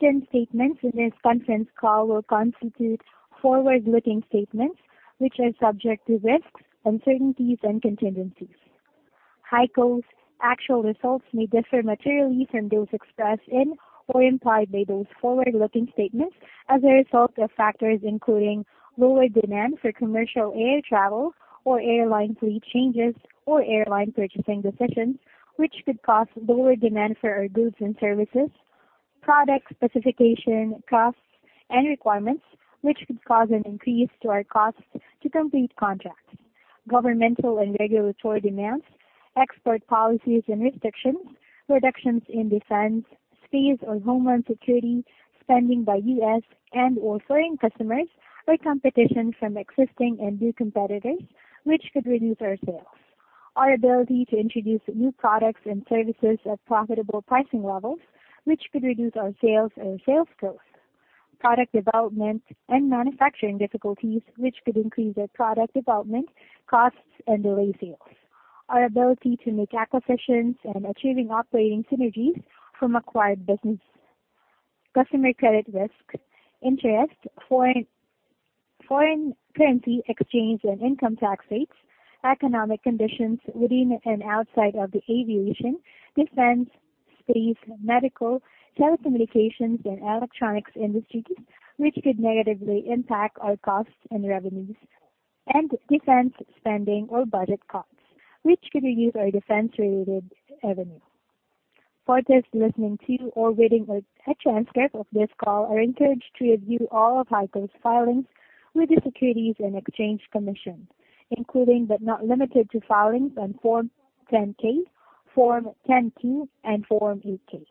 Certain statements in this conference call will constitute forward-looking statements, which are subject to risks, uncertainties, and contingencies. HEICO's actual results may differ materially from those expressed in or implied by those forward-looking statements as a result of factors including lower demand for commercial air travel or airline fleet changes or airline purchasing decisions, which could cause lower demand for our goods and services, product specification costs and requirements, which could cause an increase to our costs to complete contracts, governmental and regulatory demands, export policies and restrictions, reductions in defense, space or homeland security spending by U.S. and/or foreign customers, or competition from existing and new competitors, which could reduce our sales, our ability to introduce new products and services at profitable pricing levels, which could reduce our sales and sales growth, and product development and manufacturing difficulties, which could increase their product development costs and delay sales. Our ability to make acquisitions and achieving operating synergies from acquired business. Customer credit risk, interest, foreign currency exchange and income tax rates, economic conditions within and outside of the aviation, defense, space, medical, telecommunications, and electronics industries, which could negatively impact our costs and revenues, and defense spending or budget cuts, which could reduce our defense-related revenue. Parties listening to or reading a transcript of this call are encouraged to review all of HEICO's filings with the Securities and Exchange Commission, including but not limited to filings on Form 10-K, Form 10-Q, and Form 8-K.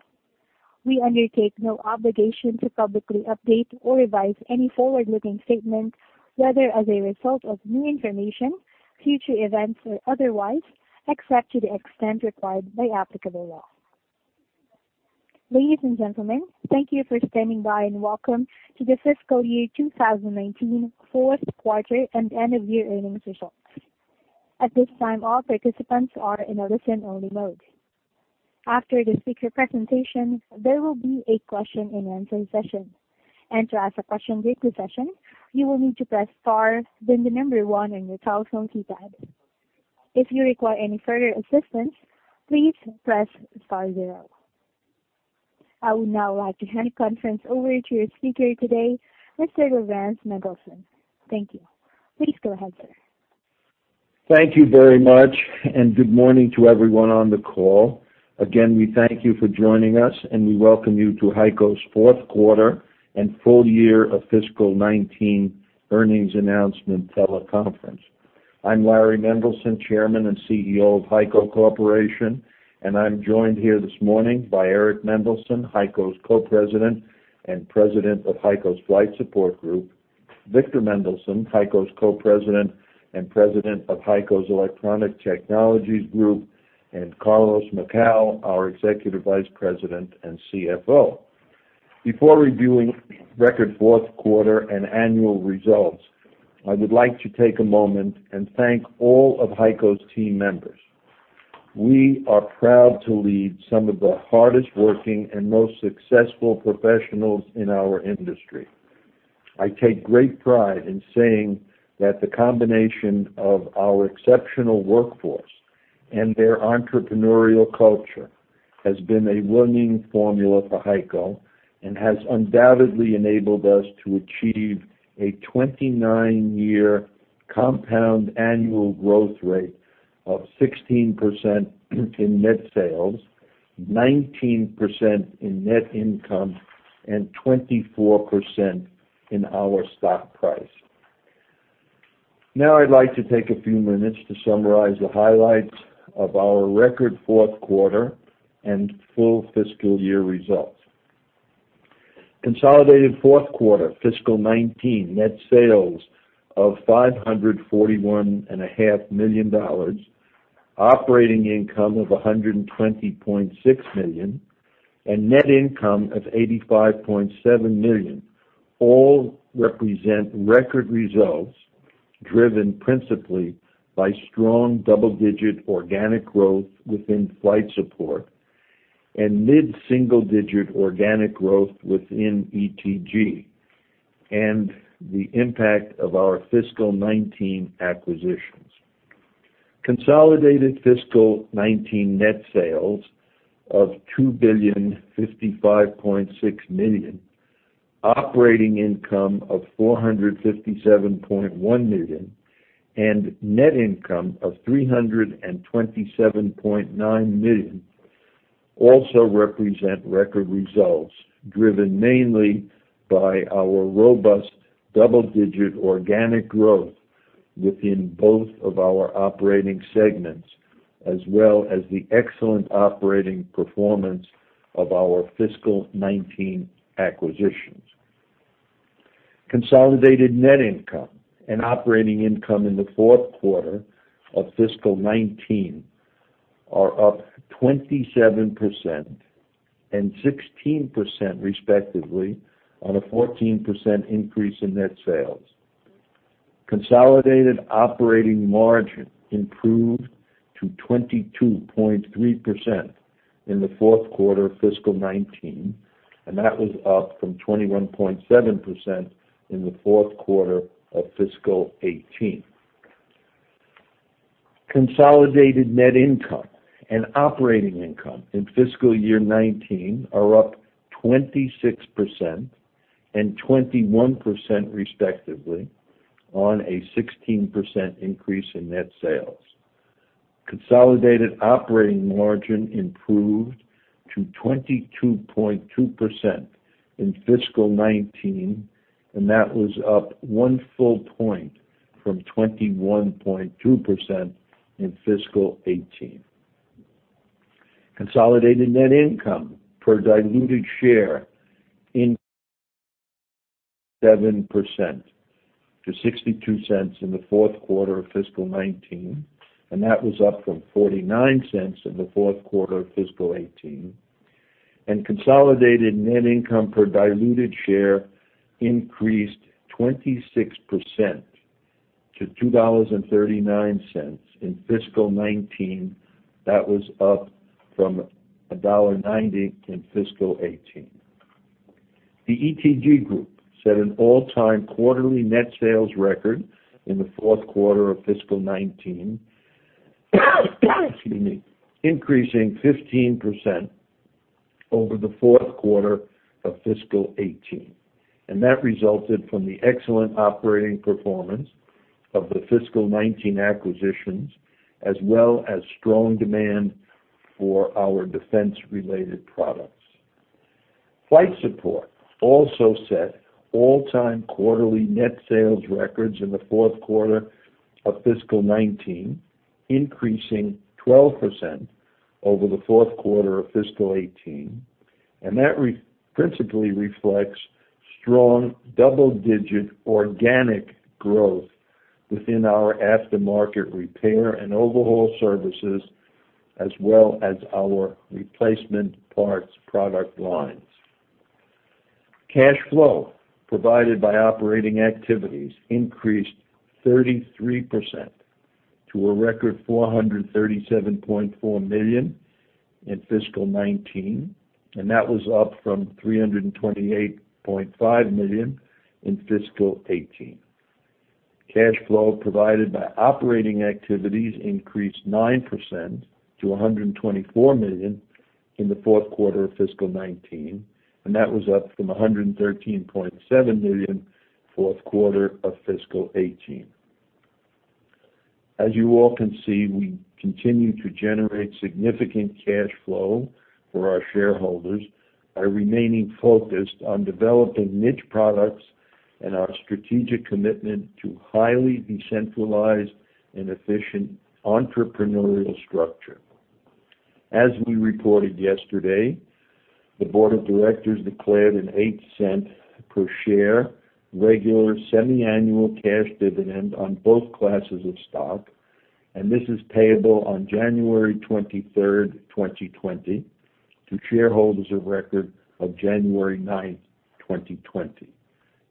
We undertake no obligation to publicly update or revise any forward-looking statements, whether as a result of new information, future events, or otherwise, except to the extent required by applicable law. Ladies and gentlemen, thank you for standing by, and welcome to the fiscal year 2019 fourth quarter and end-of-year earnings results. At this time, all participants are in a listen-only mode. After the speaker presentation, there will be a question-and-answer session. To ask a question during the session, you will need to press star, then the number one on your telephone keypad. If you require any further assistance, please press star zero. I would now like to hand the conference over to your speaker today, Mr. Laurans Mendelson. Thank you. Please go ahead, sir. Thank you very much, and good morning to everyone on the call. Again, we thank you for joining us, and we welcome you to HEICO's fourth quarter and full year of fiscal 2019 earnings announcement teleconference. I'm Larry Mendelson, Chairman and Chief Executive Officer of HEICO Corporation, and I'm joined here this morning by Eric Mendelson, HEICO's Co-President and President of HEICO's Flight Support Group, Victor Mendelson, HEICO's Co-President and President of HEICO's Electronic Technologies Group, and Carlos Macau, our Executive Vice President and Chief Financial Officer. Before reviewing record fourth quarter and annual results, I would like to take a moment and thank all of HEICO's team members. We are proud to lead some of the hardest-working and most successful professionals in our industry. I take great pride in saying that the combination of our exceptional workforce and their entrepreneurial culture has been a winning formula for HEICO and has undoubtedly enabled us to achieve a 29-year compound annual growth rate of 16% in net sales, 19% in net income, and 24% in our stock price. Now I'd like to take a few minutes to summarize the highlights of our record fourth quarter and full fiscal year results. Consolidated fourth quarter fiscal 2019 net sales of $541.5 million, operating income of $120.6 million, and net income of $85.7 million all represent record results driven principally by strong double-digit organic growth within Flight Support and mid-single-digit organic growth within ETG and the impact of our fiscal 2019 acquisitions. Consolidated fiscal 2019 net sales of $2.0556 billion, operating income of $457.1 million, and net income of $327.9 million also represent record results driven mainly by our robust double-digit organic growth within both of our operating segments as well as the excellent operating performance of our fiscal 2019 acquisitions. Consolidated net income and operating income in the fourth quarter of fiscal 2019 are up 27% and 16%, respectively, on a 14% increase in net sales. Consolidated operating margin improved to 22.3% in the fourth quarter of fiscal 2019, and that was up from 21.7% in the fourth quarter of fiscal 2018. Consolidated net income and operating income in fiscal year 2019 are up 26% and 21% respectively, on a 16% increase in net sales. Consolidated operating margin improved to 22.2% in fiscal 2019, and that was up one full point from 21.2% in fiscal 2018. Consolidated net income per diluted share increased 27% to $0.62 in the fourth quarter of fiscal 2019. That was up from $0.49 in the fourth quarter of fiscal 2018. Consolidated net income per diluted share increased 26% to $2.39 in fiscal 2019. That was up from $1.90 in fiscal 2018. The ETG Group set an all-time quarterly net sales record in the fourth quarter of fiscal 2019, excuse me, increasing 15% over the fourth quarter of fiscal 2018. That resulted from the excellent operating performance of the fiscal 2019 acquisitions, as well as strong demand for our defense-related products. Flight Support also set all-time quarterly net sales records in the fourth quarter of fiscal 2019, increasing 12% over the fourth quarter of fiscal 2018, and that principally reflects strong double-digit organic growth within our aftermarket repair and overhaul services, as well as our replacement parts product lines. Cash flow provided by operating activities increased 33% to a record $437.4 million in fiscal 2019, and that was up from $328.5 million in fiscal 2018. Cash flow provided by operating activities increased 9% to $124 million in the fourth quarter of fiscal 2019, and that was up from $113.7 million fourth quarter of fiscal 2018. As you all can see, we continue to generate significant cash flow for our shareholders by remaining focused on developing niche products and our strategic commitment to highly decentralized and efficient entrepreneurial structure. As we reported yesterday, the board of directors declared an $0.08 per share regular semiannual cash dividend on both classes of stock. This is payable on January 23rd, 2020, to shareholders of record of January 9th, 2020.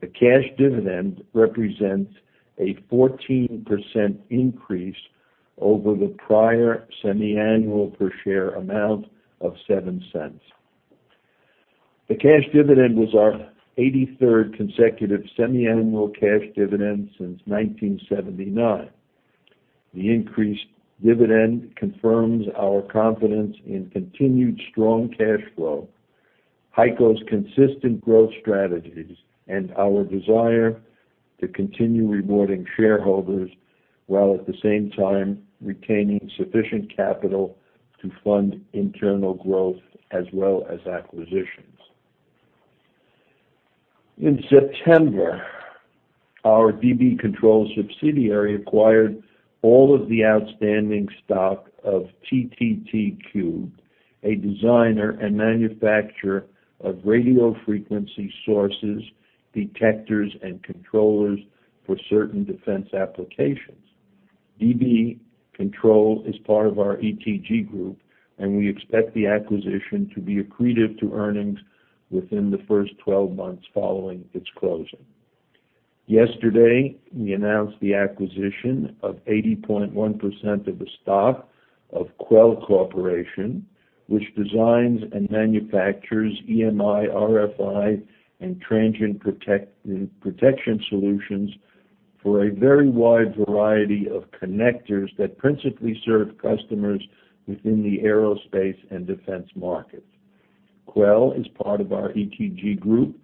The cash dividend represents a 14% increase over the prior semiannual per share amount of $0.07. The cash dividend was our 83rd consecutive semiannual cash dividend since 1979. The increased dividend confirms our confidence in continued strong cash flow, HEICO's consistent growth strategies, and our desire to continue rewarding shareholders, while at the same time retaining sufficient capital to fund internal growth as well as acquisitions. In September, our dB Control subsidiary acquired all of the outstanding stock of TTT Cubed, a designer and manufacturer of radio frequency sources, detectors, and controllers for certain defense applications. dB Control is part of our ETG group, and we expect the acquisition to be accretive to earnings within the first 12 months following its closing. Yesterday, we announced the acquisition of 80.1% of the stock of Quell Corporation, which designs and manufactures EMI, RFI, and transient protection solutions for a very wide variety of connectors that principally serve customers within the aerospace and defense markets. Quell is part of our ETG group,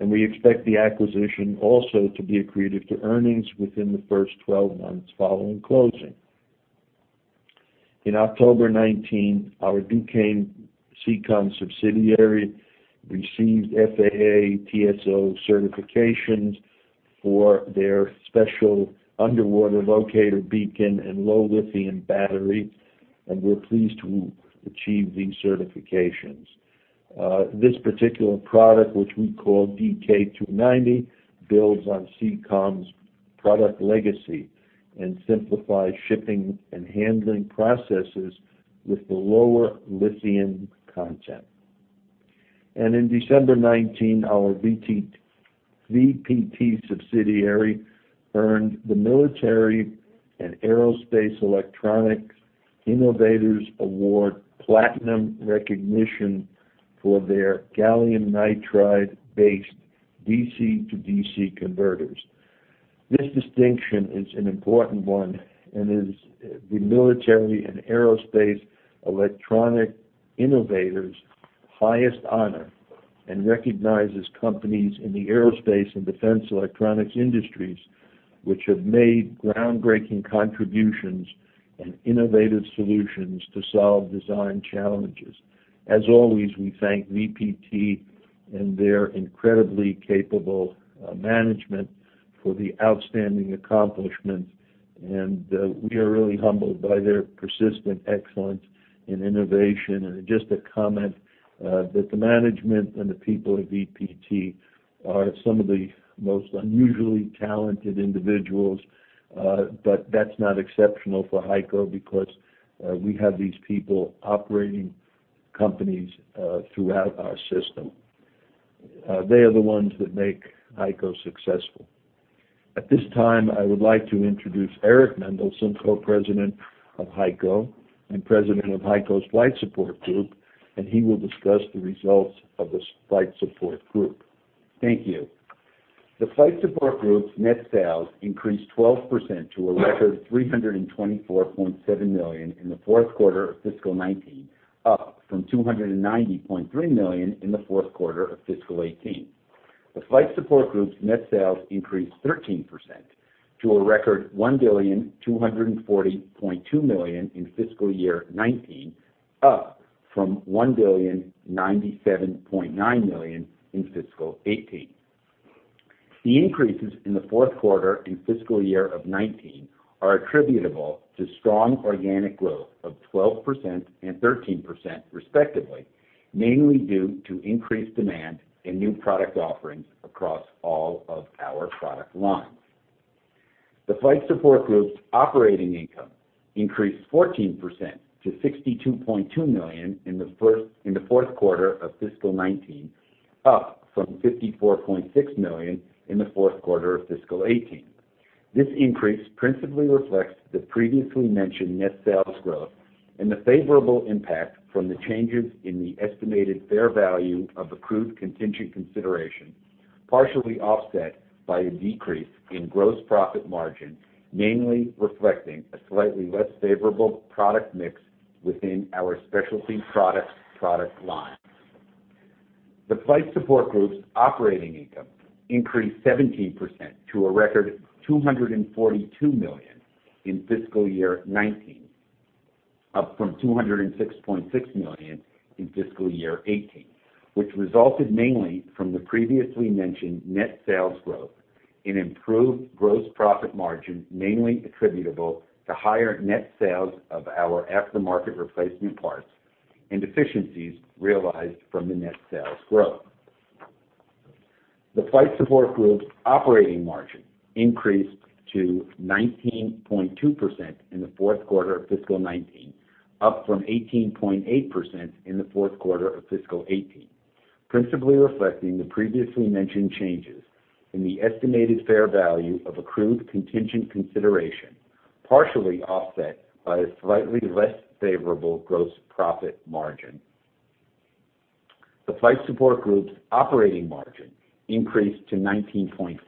and we expect the acquisition also to be accretive to earnings within the first 12 months following closing. In October 2019, our Dukane Seacom subsidiary received FAA TSO certifications for their special underwater locator beacon and low lithium battery, and we're pleased to achieve these certifications. This particular product, which we call DK-290, builds on Seacom's product legacy and simplifies shipping and handling processes with the lower lithium content. In December 2019, our VPT, Inc. subsidiary earned the Military & Aerospace Electronics Innovators Awards platinum recognition for their gallium nitride based DC-to-DC converters. This distinction is an important one and is the Military & Aerospace Electronics Innovators highest honor and recognizes companies in the aerospace and defense electronics industries which have made groundbreaking contributions and innovative solutions to solve design challenges. As always, we thank VPT, Inc. and their incredibly capable management for the outstanding accomplishments, and we are really humbled by their persistent excellence in innovation. Just a comment that the management and the people of VPT, Inc. are some of the most unusually talented individuals. That's not exceptional for HEICO because we have these people operating companies throughout our system. They are the ones that make HEICO successful. At this time, I would like to introduce Eric Mendelson, Co-President of HEICO and President of HEICO's Flight Support Group, and he will discuss the results of this Flight Support Group. Thank you. The Flight Support Group's net sales increased 12% to a record $324.7 million in the fourth quarter of fiscal 2019, up from $290.3 million in the fourth quarter of fiscal 2018. The Flight Support Group's net sales increased 13% to a record $1,240.2 million in fiscal year 2019, up from $1,097.9 million in fiscal 2018. The increases in the fourth quarter and fiscal year of 2019 are attributable to strong organic growth of 12% and 13% respectively, mainly due to increased demand and new product offerings across all of our product lines. The Flight Support Group's operating income increased 14% to $62.2 million in the fourth quarter of fiscal 2019, up from $54.6 million in the fourth quarter of fiscal 2018. This increase principally reflects the previously mentioned net sales growth and the favorable impact from the changes in the estimated fair value of accrued contingent consideration, partially offset by a decrease in gross profit margin, mainly reflecting a slightly less favorable product mix within our specialty products product line. The Flight Support Group's operating income increased 17% to a record $242 million in fiscal year 2019, up from $206.6 million in fiscal year 2018, which resulted mainly from the previously mentioned net sales growth in improved gross profit margin, mainly attributable to higher net sales of our aftermarket replacement parts and efficiencies realized from the net sales growth. The Flight Support Group's operating margin increased to 19.2% in the fourth quarter of fiscal 2019, up from 18.8% in the fourth quarter of fiscal 2018, principally reflecting the previously mentioned changes in the estimated fair value of accrued contingent consideration, partially offset by a slightly less favorable gross profit margin. The Flight Support Group's operating margin increased to 19.5%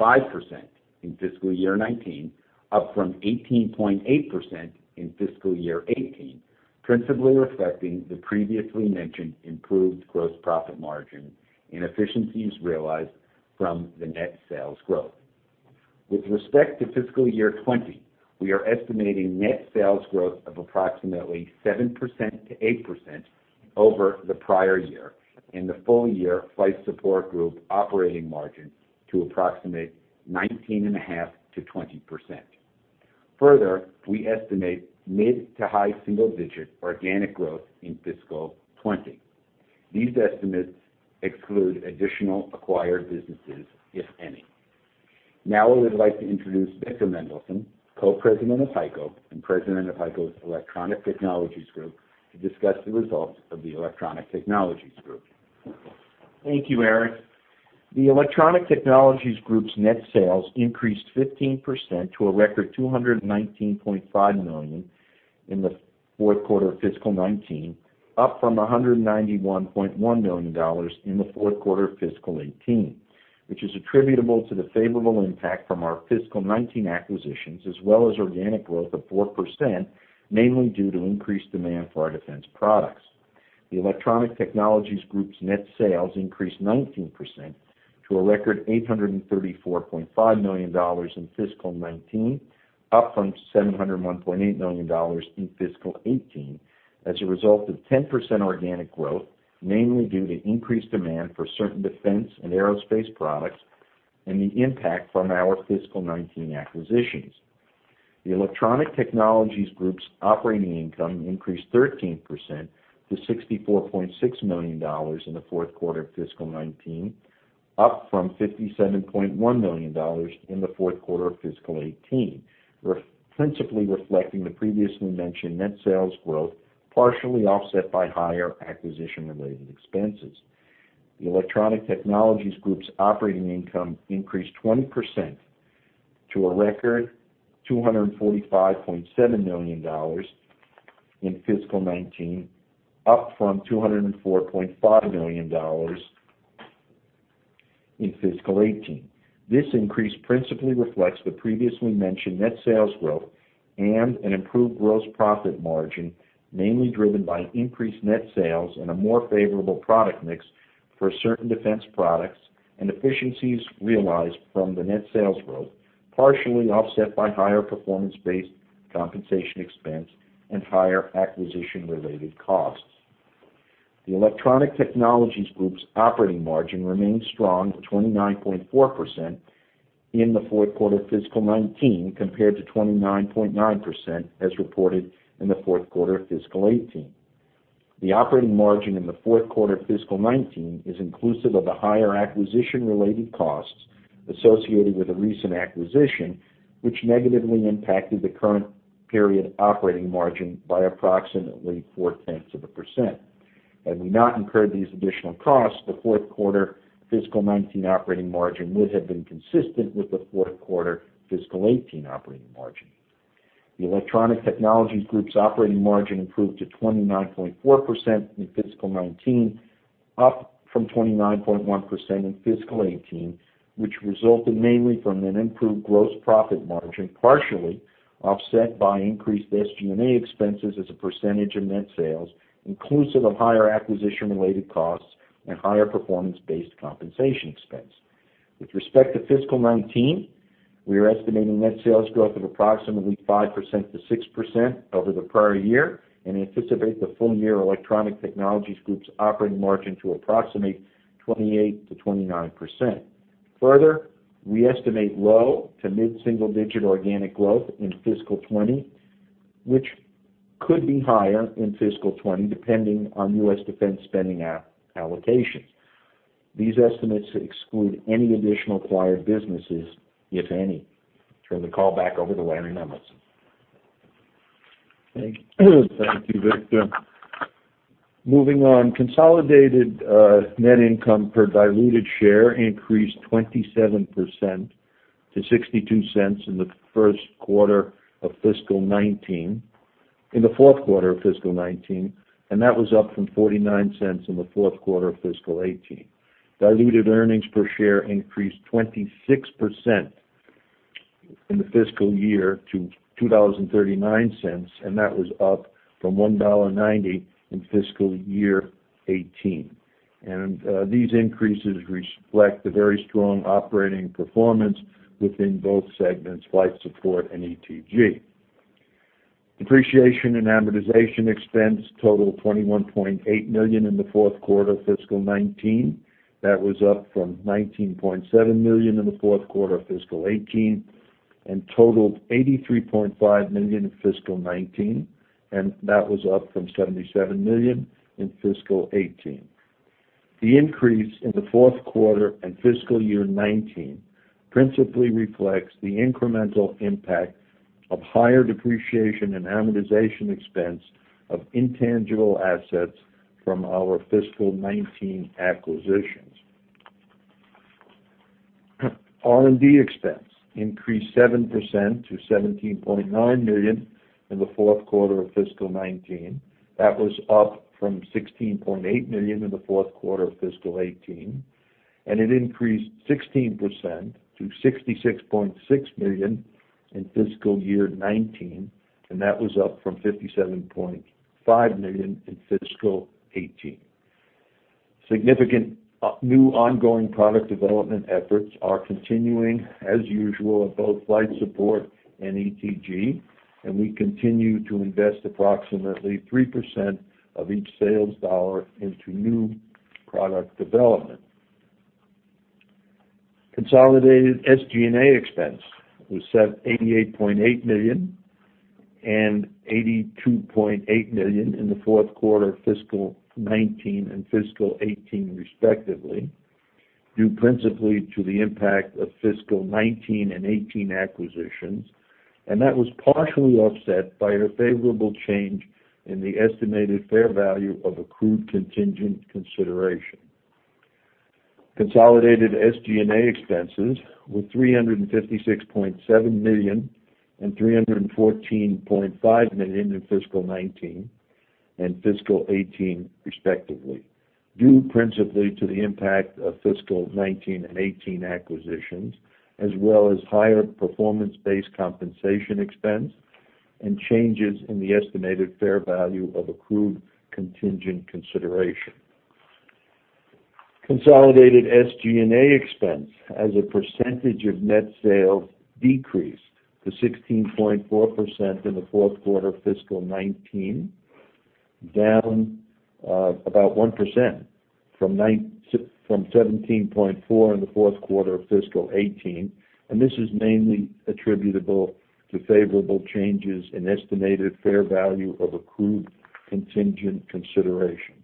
in fiscal year 2019, up from 18.8% in fiscal year 2018, principally reflecting the previously mentioned improved gross profit margin and efficiencies realized from the net sales growth. With respect to fiscal year 2020, we are estimating net sales growth of approximately 7%-8% over the prior year, and the full year Flight Support Group operating margin to approximate 19.5%-20%. We estimate mid to high single-digit organic growth in fiscal 2020. These estimates exclude additional acquired businesses, if any. Now I would like to introduce Victor Mendelson, Co-President of HEICO and President of HEICO's Electronic Technologies Group, to discuss the results of the Electronic Technologies Group. Thank you, Eric. The Electronic Technologies Group's net sales increased 15% to a record $219.5 million in the fourth quarter of fiscal 2019, up from $191.1 million in the fourth quarter of fiscal 2018, which is attributable to the favorable impact from our fiscal 2019 acquisitions as well as organic growth of 4%, mainly due to increased demand for our defense products. The Electronic Technologies Group's net sales increased 19% to a record $834.5 million in fiscal 2019, up from $701.8 million in fiscal 2018, as a result of 10% organic growth, mainly due to increased demand for certain defense and aerospace products and the impact from our fiscal 2019 acquisitions. The Electronic Technologies Group's operating income increased 13% to $64.6 million in the fourth quarter of fiscal 2019. Up from $57.1 million in the fourth quarter of fiscal 2018. Principally reflecting the previously mentioned net sales growth, partially offset by higher acquisition-related expenses. The Electronic Technologies Group's operating income increased 20% to a record $245.7 million in fiscal 2019, up from $204.5 million in fiscal 2018. This increase principally reflects the previously mentioned net sales growth and an improved gross profit margin, mainly driven by increased net sales and a more favorable product mix for certain defense products, and efficiencies realized from the net sales growth, partially offset by higher performance-based compensation expense and higher acquisition-related costs. The Electronic Technologies Group's operating margin remained strong at 29.4% in the fourth quarter of fiscal 2019, compared to 29.9% as reported in the fourth quarter of fiscal 2018. The operating margin in the fourth quarter of fiscal 2019 is inclusive of the higher acquisition-related costs associated with the recent acquisition, which negatively impacted the current period operating margin by approximately 0.4%. Had we not incurred these additional costs, the fourth quarter fiscal 2019 operating margin would have been consistent with the fourth quarter fiscal 2018 operating margin. The Electronic Technologies Group's operating margin improved to 29.4% in fiscal 2019, up from 29.1% in fiscal 2018, which resulted mainly from an improved gross profit margin, partially offset by increased SG&A expenses as a percentage of net sales, inclusive of higher acquisition-related costs and higher performance-based compensation expense. With respect to fiscal 2019, we are estimating net sales growth of approximately 5%-6% over the prior year, and anticipate the full year Electronic Technologies Group's operating margin to approximate 28%-29%. Further, we estimate low to mid-single digit organic growth in fiscal 2020, which could be higher in fiscal 2020, depending on U.S. defense spending allocations. These estimates exclude any additional acquired businesses, if any. I turn the call back over to Laurans Mendelson. Thank you, Victor. Moving on. Consolidated net income per diluted share increased 27% to $0.62 in the fourth quarter of fiscal 2019. That was up from $0.49 in the fourth quarter of fiscal 2018. Diluted earnings per share increased 26% in the fiscal year to $2.39. That was up from $1.90 in fiscal year 2018. These increases reflect the very strong operating performance within both segments, Flight Support and ETG. Depreciation and amortization expense totaled $21.8 million in the fourth quarter of fiscal 2019. That was up from $19.7 million in the fourth quarter of fiscal 2018, and totaled $83.5 million in fiscal 2019, and that was up from $77 million in fiscal 2018. The increase in the fourth quarter and fiscal year 2019 principally reflects the incremental impact of higher depreciation and amortization expense of intangible assets from our fiscal 2019 acquisitions. R&D expense increased 7% to $17.9 million in the fourth quarter of fiscal 2019. That was up from $16.8 million in the fourth quarter of fiscal 2018, and it increased 16% to $66.6 million in fiscal year 2019, and that was up from $57.5 million in fiscal 2018. Significant new ongoing product development efforts are continuing as usual at both Flight Support and ETG, and we continue to invest approximately 3% of each sales dollar into new product development. Consolidated SG&A expense was set at $88.8 million and $82.8 million in the fourth quarter of fiscal 2019 and fiscal 2018 respectively, due principally to the impact of fiscal 2019 and 2018 acquisitions, and that was partially offset by a favorable change in the estimated fair value of accrued contingent consideration. Consolidated SG&A expenses were $356.7 million and $314.5 million in fiscal 2019 and fiscal 2018 respectively, due principally to the impact of fiscal 2019 and 2018 acquisitions, as well as higher performance-based compensation expense and changes in the estimated fair value of accrued contingent consideration. Consolidated SG&A expense as a percentage of net sales decreased to 16.4% in the fourth quarter of fiscal 2019, down about 1% from 17.4% in the fourth quarter of fiscal 2018. This is mainly attributable to favorable changes in estimated fair value of accrued contingent consideration.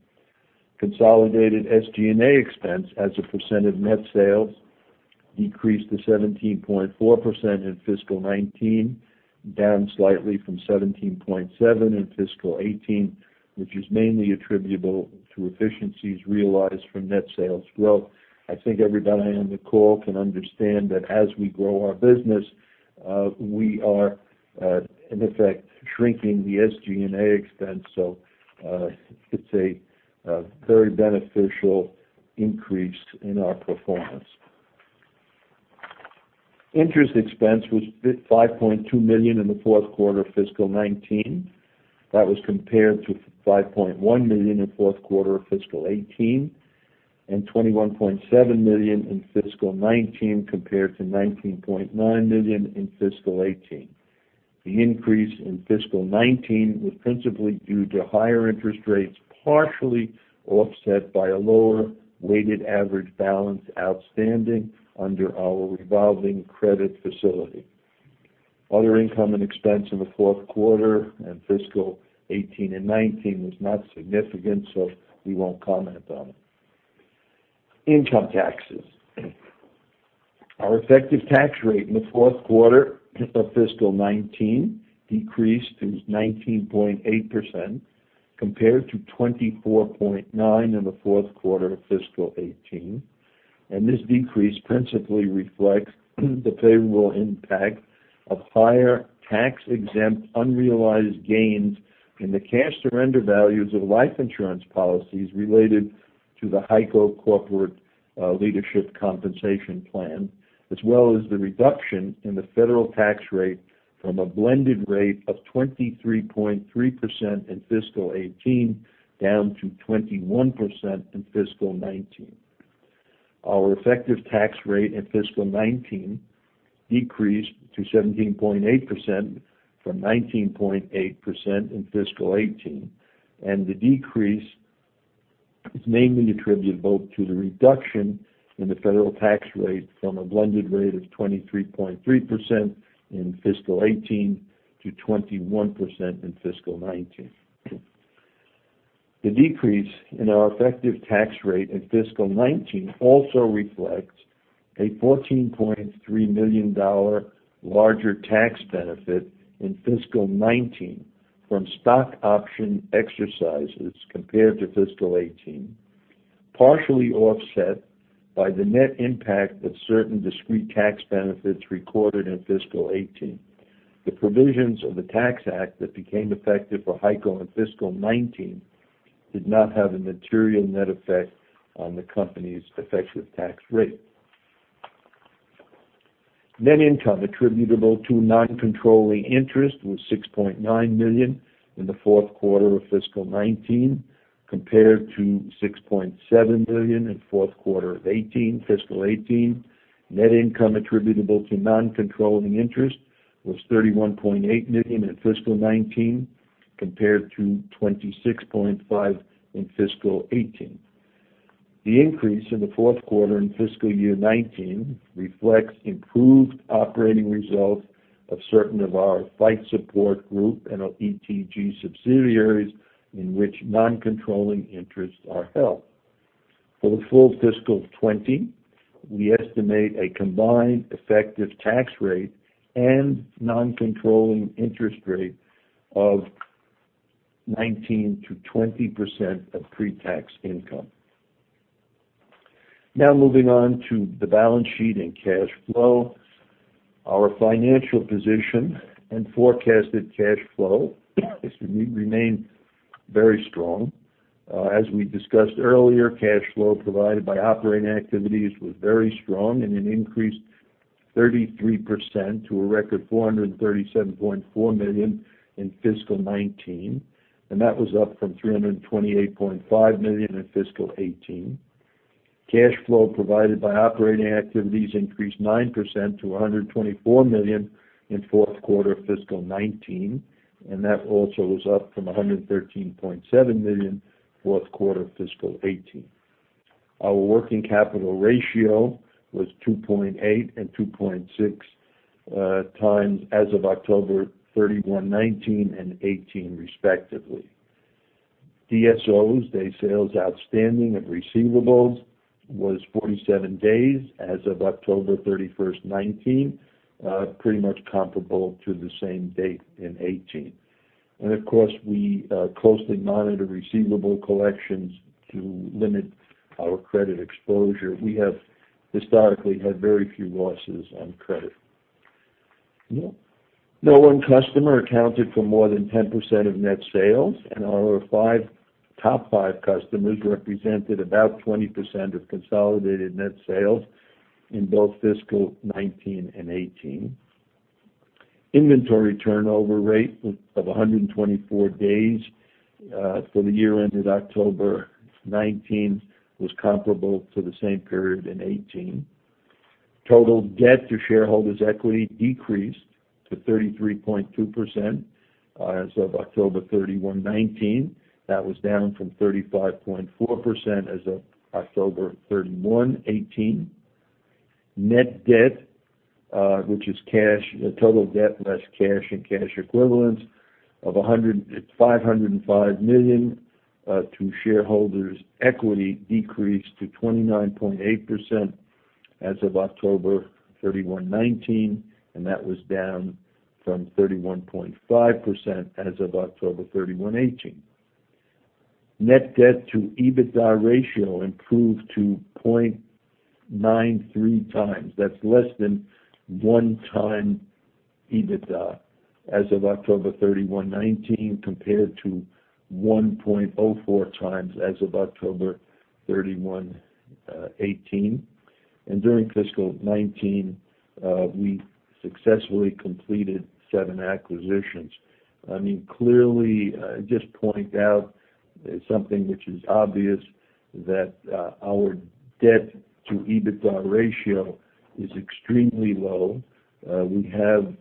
Consolidated SG&A expense as a percent of net sales decreased to 17.4% in fiscal 2019, down slightly from 17.7% in fiscal 2018, which is mainly attributable to efficiencies realized from net sales growth. I think everybody on the call can understand that as we grow our business, we are, in effect, shrinking the SG&A expense. It's a very beneficial increase in our performance. Interest expense was $5.2 million in the fourth quarter of fiscal 2019. That was compared to $5.1 million in fourth quarter of fiscal 2018, and $21.7 million in fiscal 2019 compared to $19.9 million in fiscal 2018. The increase in fiscal 2019 was principally due to higher interest rates, partially offset by a lower weighted average balance outstanding under our revolving credit facility. Other income and expense in the fourth quarter and fiscal 2018 and 2019 was not significant, so we won't comment on it. Income taxes. Our effective tax rate in the fourth quarter of fiscal 2019 decreased to 19.8%, compared to 24.9% in the fourth quarter of fiscal 2018. This decrease principally reflects the favorable impact of higher tax-exempt, unrealized gains in the cash surrender values of life insurance policies related to the HEICO Corporation Leadership Compensation Plan, as well as the reduction in the federal tax rate from a blended rate of 23.3% in fiscal 2018, down to 21% in fiscal 2019. Our effective tax rate in fiscal 2019 decreased to 17.8% from 19.8% in fiscal 2018. The decrease is mainly attributable to the reduction in the federal tax rate from a blended rate of 23.3% in fiscal 2018 to 21% in fiscal 2019. The decrease in our effective tax rate in fiscal 2019 also reflects a $14.3 million larger tax benefit in fiscal 2019 from stock option exercises compared to fiscal 2018, partially offset by the net impact of certain discrete tax benefits recorded in fiscal 2018. The provisions of the Tax Act that became effective for HEICO in fiscal 2019 did not have a material net effect on the company's effective tax rate. Net income attributable to non-controlling interest was $6.9 million in the fourth quarter of fiscal 2019, compared to $6.7 million in fourth quarter of fiscal 2018. Net income attributable to non-controlling interest was $31.8 million in fiscal 2019, compared to $26.5 million in fiscal 2018. The increase in the fourth quarter in fiscal year 2019 reflects improved operating results of certain of our Flight Support Group and our ETG subsidiaries in which non-controlling interests are held. For the full fiscal 2020, we estimate a combined effective tax rate and non-controlling interest rate of 19%-20% of pre-tax income. Moving on to the balance sheet and cash flow. Our financial position and forecasted cash flow remain very strong. As we discussed earlier, cash flow provided by operating activities was very strong and it increased 33% to a record $437.4 million in fiscal 2019, and that was up from $328.5 million in fiscal 2018. Cash flow provided by operating activities increased 9% to $124 million in fourth quarter of fiscal 2019, and that also was up from $113.7 million fourth quarter fiscal 2018. Our working capital ratio was 2.8 and 2.6 times as of October 31, 2019 and 2018, respectively. DSOs, Days Sales Outstanding of receivables, was 47 days as of October 31, 2019, pretty much comparable to the same date in 2018. Of course, we closely monitor receivable collections to limit our credit exposure. We have historically had very few losses on credit. No one customer accounted for more than 10% of net sales, and our top five customers represented about 20% of consolidated net sales in both fiscal 2019 and 2018. Inventory turnover rate of 124 days for the year ended October 2019 was comparable to the same period in 2018. Total debt to shareholders' equity decreased to 33.2% as of October 31, 2019. That was down from 35.4% as of October 31, 2018. Net debt, which is total debt less cash and cash equivalents of $505 million to shareholders' equity decreased to 29.8% as of October 31, 2019, and that was down from 31.5% as of October 31, 2018. Net debt to EBITDA ratio improved to 0.93 times. That's less than one time EBITDA as of October 31, 2019, compared to 1.04 times as of October 31, 2018. During fiscal 2019, we successfully completed seven acquisitions. Clearly, just point out something which is obvious, that our debt to EBITDA ratio is extremely low. We have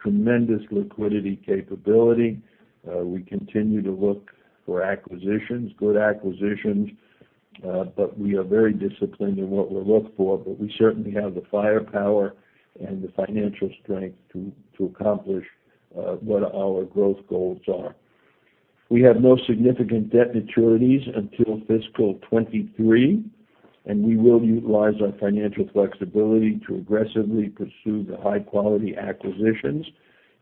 tremendous liquidity capability. We continue to look for acquisitions, good acquisitions, but we are very disciplined in what we'll look for. We certainly have the firepower and the financial strength to accomplish what our growth goals are. We have no significant debt maturities until fiscal 2023. We will utilize our financial flexibility to aggressively pursue the high-quality acquisitions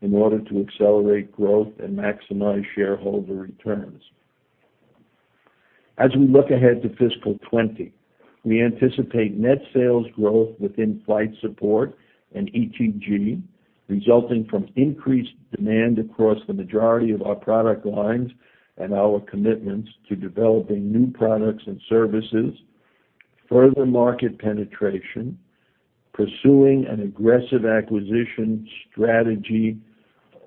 in order to accelerate growth and maximize shareholder returns. As we look ahead to fiscal 2020, we anticipate net sales growth within Flight Support and ETG, resulting from increased demand across the majority of our product lines and our commitments to developing new products and services, further market penetration, pursuing an aggressive acquisition strategy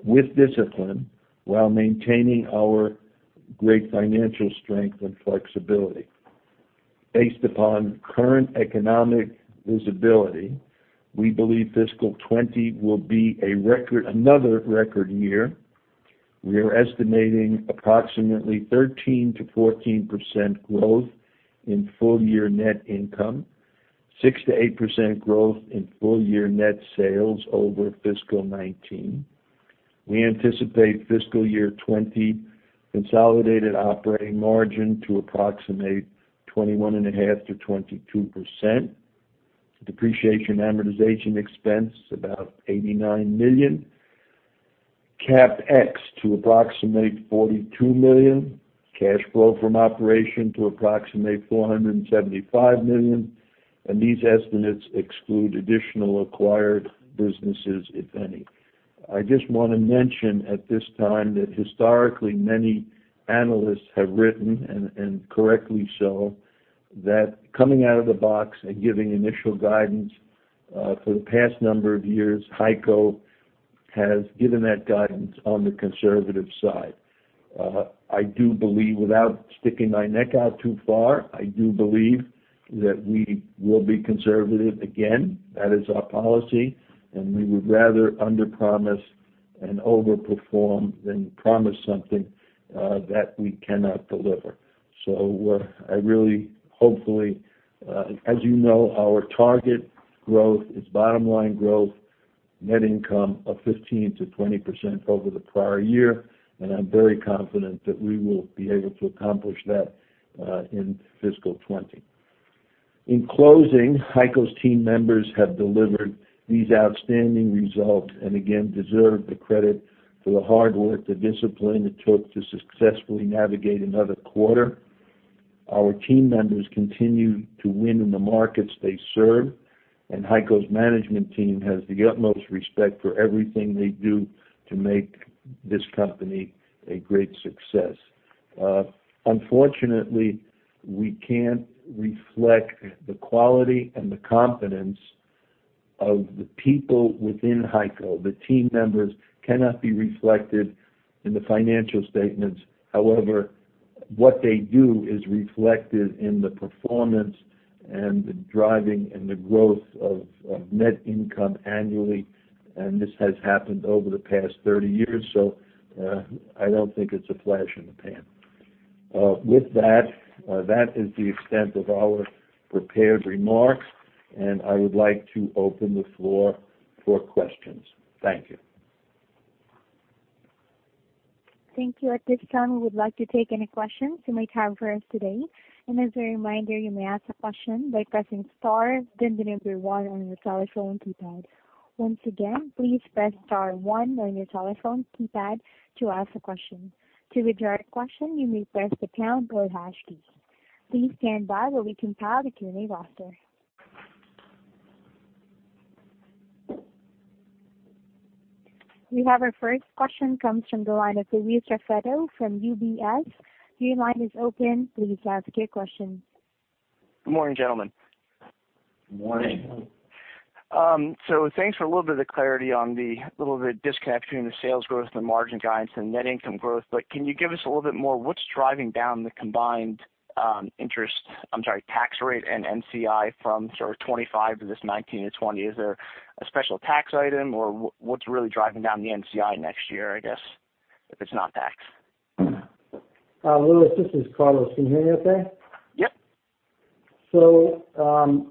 with discipline while maintaining our great financial strength and flexibility. Based upon current economic visibility, we believe fiscal 2020 will be another record year. We are estimating approximately 13%-14% growth in full-year net income, 6%-8% growth in full-year net sales over fiscal 2019. We anticipate fiscal year 2020 consolidated operating margin to approximate 21.5%-22%, depreciation amortization expense about $89 million, CapEx to approximate $42 million, cash flow from operation to approximate $475 million, and these estimates exclude additional acquired businesses, if any. I just want to mention at this time that historically, many analysts have written, and correctly so, that coming out of the box and giving initial guidance, for the past number of years, HEICO has given that guidance on the conservative side. Without sticking my neck out too far, I do believe that we will be conservative again. That is our policy, and we would rather underpromise and overperform than promise something that we cannot deliver. As you know, our target growth is bottom-line growth, net income of 15%-20% over the prior year, and I'm very confident that we will be able to accomplish that in fiscal 2020. In closing, HEICO's team members have delivered these outstanding results and again, deserve the credit for the hard work, the discipline it took to successfully navigate another quarter. Our team members continue to win in the markets they serve, and HEICO's management team has the utmost respect for everything they do to make this company a great success. Unfortunately, we can't reflect the quality and the competence of the people within HEICO. The team members cannot be reflected in the financial statements. However, what they do is reflected in the performance and the driving and the growth of net income annually, and this has happened over the past 30 years, so I don't think it's a flash in the pan. With that is the extent of our prepared remarks, and I would like to open the floor for questions. Thank you. Thank you. At this time, we would like to take any questions you may have for us today. As a reminder, you may ask a question by pressing star, then the number one on your telephone keypad. Once again, please press star one on your telephone keypad to ask a question. To withdraw your question, you may press the pound or hash key. Please stand by while we compile the Q&A roster. We have our first question, comes from the line of Louis Raffetto from UBS. Your line is open. Please ask your question. Good morning, gentlemen. Good morning. Good morning. Thanks for a little bit of clarity on the little bit of disconnect between the sales growth and the margin guidance and net income growth. Can you give us a little bit more? What's driving down the combined tax rate and NCI from sort of 25% to this 19%-20%? Is there a special tax item, or what's really driving down the NCI next year, I guess, if it's not tax? Louis, this is Carlos. Can you hear me okay? Yep.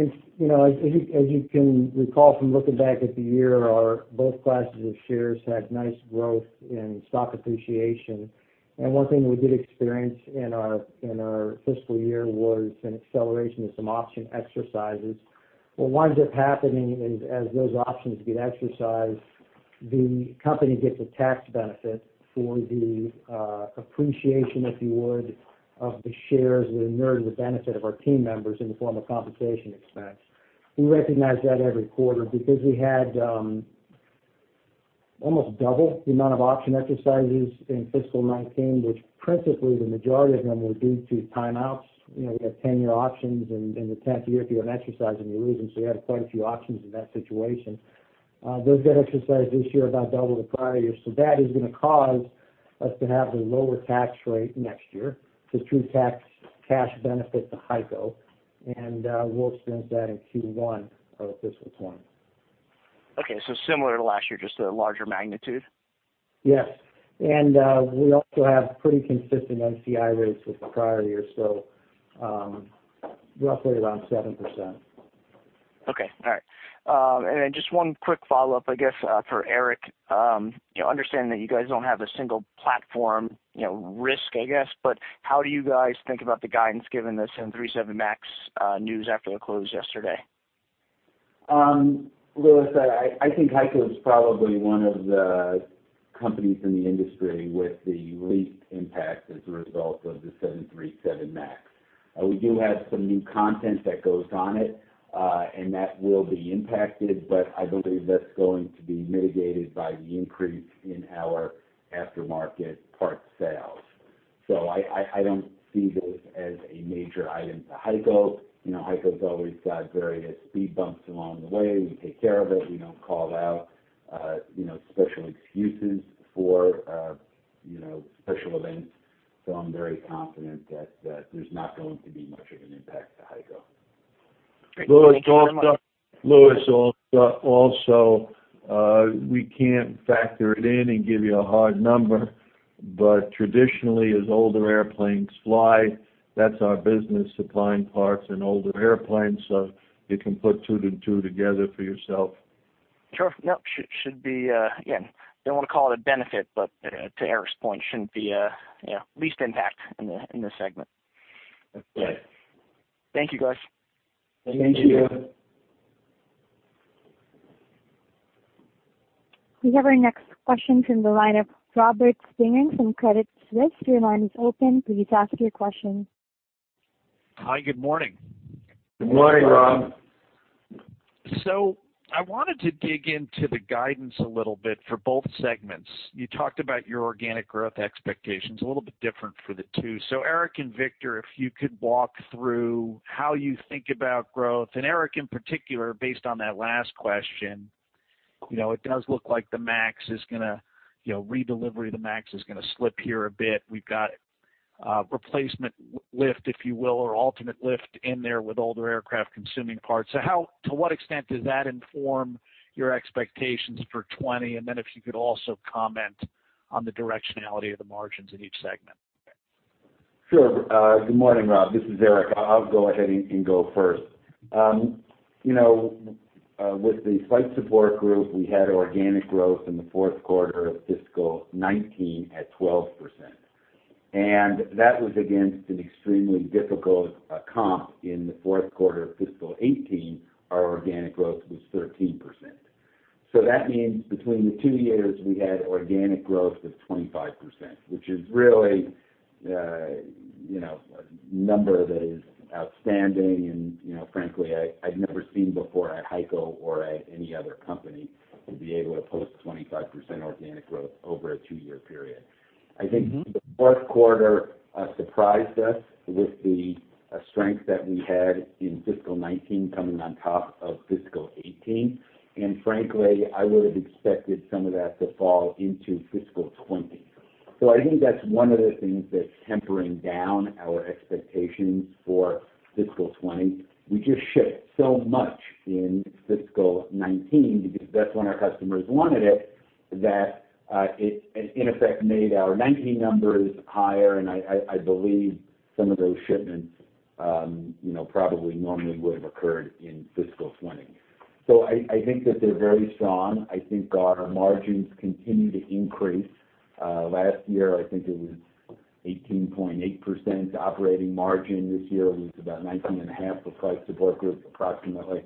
As you can recall from looking back at the year, our both classes of shares had nice growth in stock appreciation. One thing we did experience in our fiscal year was an acceleration of some option exercises. What winds up happening is as those options get exercised, the company gets a tax benefit for the appreciation, if you would, of the shares that inure to the benefit of our team members in the form of compensation expense. We recognize that every quarter because we had almost double the amount of option exercises in fiscal 2019, which principally the majority of them were due to timeouts. We have 10-year options and in the 10th year, if you don't exercise them, you lose them. We had quite a few options in that situation. Those that exercised this year about double the prior year. That is going to cause us to have a lower tax rate next year. It's true tax cash benefit to HEICO, and we'll experience that in Q1 of fiscal 2020. Okay, similar to last year, just a larger magnitude? Yes. We also have pretty consistent NCI rates with the prior year, so roughly around 7%. Okay. All right. Just one quick follow-up, I guess, for Eric. Understanding that you guys don't have a single platform risk, I guess, but how do you guys think about the guidance given the 737 MAX news after the close yesterday? Louis, I think HEICO is probably one of the companies in the industry with the least impact as a result of the 737 MAX. We do have some new content that goes on it, and that will be impacted, but I believe that's going to be mitigated by the increase in our aftermarket parts sales. I don't see this as a major item to HEICO. HEICO's always got various speed bumps along the way. We take care of it. We don't call out special excuses for special events. I'm very confident that there's not going to be much of an impact to HEICO. Great. Thank you very much. Louis, also, we can't factor it in and give you a hard number. Traditionally, as older airplanes fly, that's our business, supplying parts in older airplanes. You can put two to two together for yourself. Sure. Yep. Should be, again, don't want to call it a benefit, but to Eric's point, shouldn't be least impact in the segment. That's right. Thank you, guys. Thank you. Thank you. We have our next question from the line of Robert Spingarn from Credit Suisse. Your line is open. Please ask your question. Hi, good morning. Good morning, Rob. Good morning. I wanted to dig into the guidance a little bit for both segments. You talked about your organic growth expectations, a little bit different for the two. Eric and Victor, if you could walk through how you think about growth, and Eric in particular, based on that last question, it does look like redelivery of the MAX is going to slip here a bit. We've got replacement lift, if you will, or alternate lift in there with older aircraft consuming parts. To what extent does that inform your expectations for 2020? If you could also comment on the directionality of the margins in each segment. Sure. Good morning, Rob. This is Eric. I'll go ahead and go first. With the Flight Support Group, we had organic growth in the fourth quarter of fiscal 2019 at 12%. That was against an extremely difficult comp in the fourth quarter of fiscal 2018, our organic growth was 13%. That means between the two years, we had organic growth of 25%, which is really a number that is outstanding. Frankly, I'd never seen before at HEICO or at any other company to be able to post 25% organic growth over a two-year period. I think the fourth quarter surprised us with the strength that we had in fiscal 2019 coming on top of fiscal 2018. Frankly, I would have expected some of that to fall into fiscal 2020. I think that's one of the things that's tempering down our expectations for fiscal 2020. We just shipped so much in fiscal 2019 because that's when our customers wanted it, that it in effect made our 2019 numbers higher. I believe some of those shipments probably normally would have occurred in fiscal 2020. I think that they're very strong. I think our margins continue to increase. Last year, I think it was 18.8% operating margin. This year, it was about 19.5% for Flight Support Group, approximately.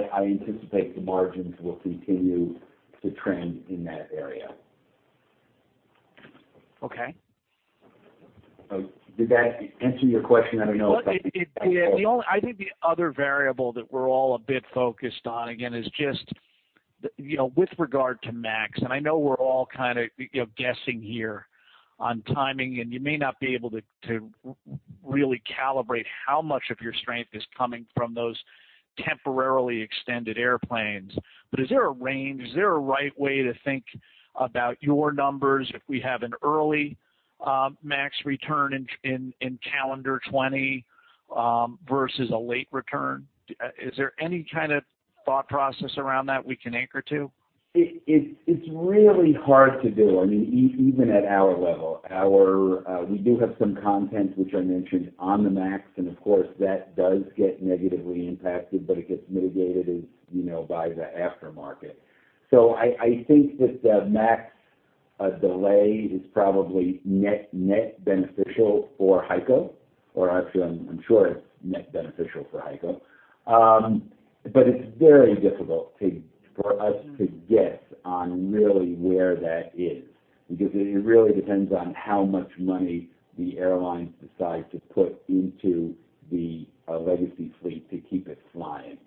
I anticipate the margins will continue to trend in that area. Okay. Did that answer your question? It did. I think the other variable that we're all a bit focused on, again, is just with regard to MAX, and I know we're all kind of guessing here on timing, and you may not be able to really calibrate how much of your strength is coming from those temporarily extended airplanes. Is there a range? Is there a right way to think about your numbers if we have an early MAX return in calendar 2020 versus a late return? Is there any kind of thought process around that we can anchor to? It's really hard to do. Even at our level. We do have some content, which I mentioned on the MAX, and of course, that does get negatively impacted, but it gets mitigated by the aftermarket. I think that the MAX delay is probably net beneficial for HEICO, or actually, I'm sure it's net beneficial for HEICO. It's very difficult for us to guess on really where that is, because it really depends on how much money the airlines decide to put into the legacy fleet to keep it flying.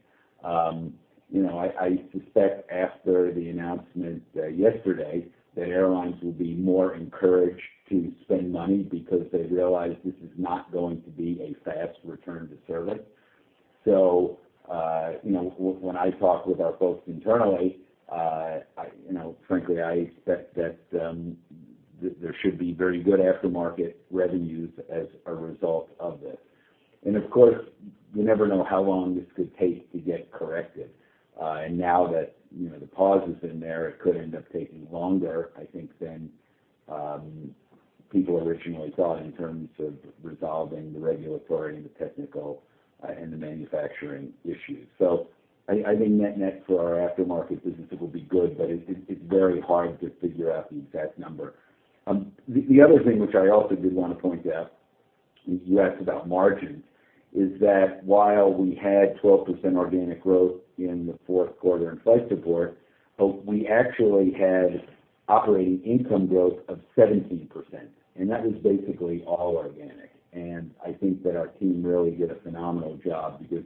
I suspect after the announcement yesterday that airlines will be more encouraged to spend money, because they realize this is not going to be a fast return to service. When I talk with our folks internally, frankly, I expect that there should be very good aftermarket revenues as a result of this. Of course, you never know how long this could take to get corrected. Now that the pause has been there, it could end up taking longer, I think, than people originally thought in terms of resolving the regulatory, the technical, and the manufacturing issues. I think net for our aftermarket business, it will be good, but it's very hard to figure out the exact number. The other thing which I also did want to point out, you asked about margins, is that while we had 12% organic growth in the fourth quarter in Flight Support, we actually had operating income growth of 17%, and that was basically all organic. I think that our team really did a phenomenal job because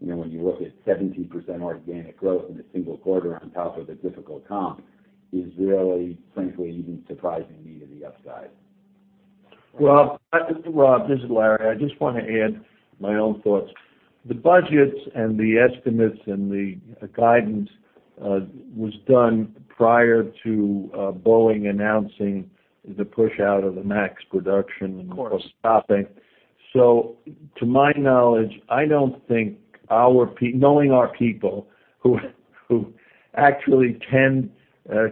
when you look at 17% organic growth in a single quarter on top of the difficult comp, is really, frankly, even surprising me to the upside. Rob, this is Larry. I just want to add my own thoughts. The budgets and the estimates and the guidance was done prior to Boeing announcing the push out of the Max. Of course. Stopping. To my knowledge, knowing our people who actually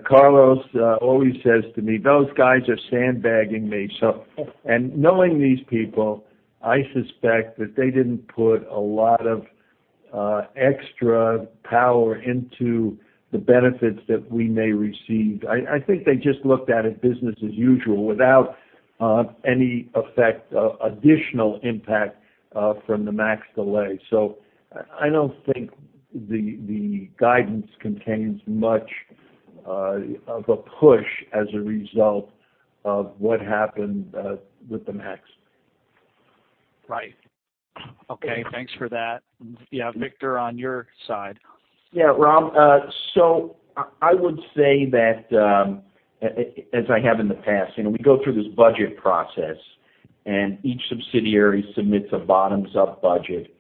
Carlos always says to me, "Those guys are sandbagging me." Knowing these people, I suspect that they didn't put a lot of extra power into the benefits that we may receive. I think they just looked at it business as usual without any effect, additional impact, from the Max delay. I don't think the guidance contains much of a push as a result of what happened with the Max. Right. Okay, thanks for that. Yeah, Victor, on your side. Yeah, Rob. I would say that, as I have in the past, we go through this budget process, and each subsidiary submits a bottoms-up budget,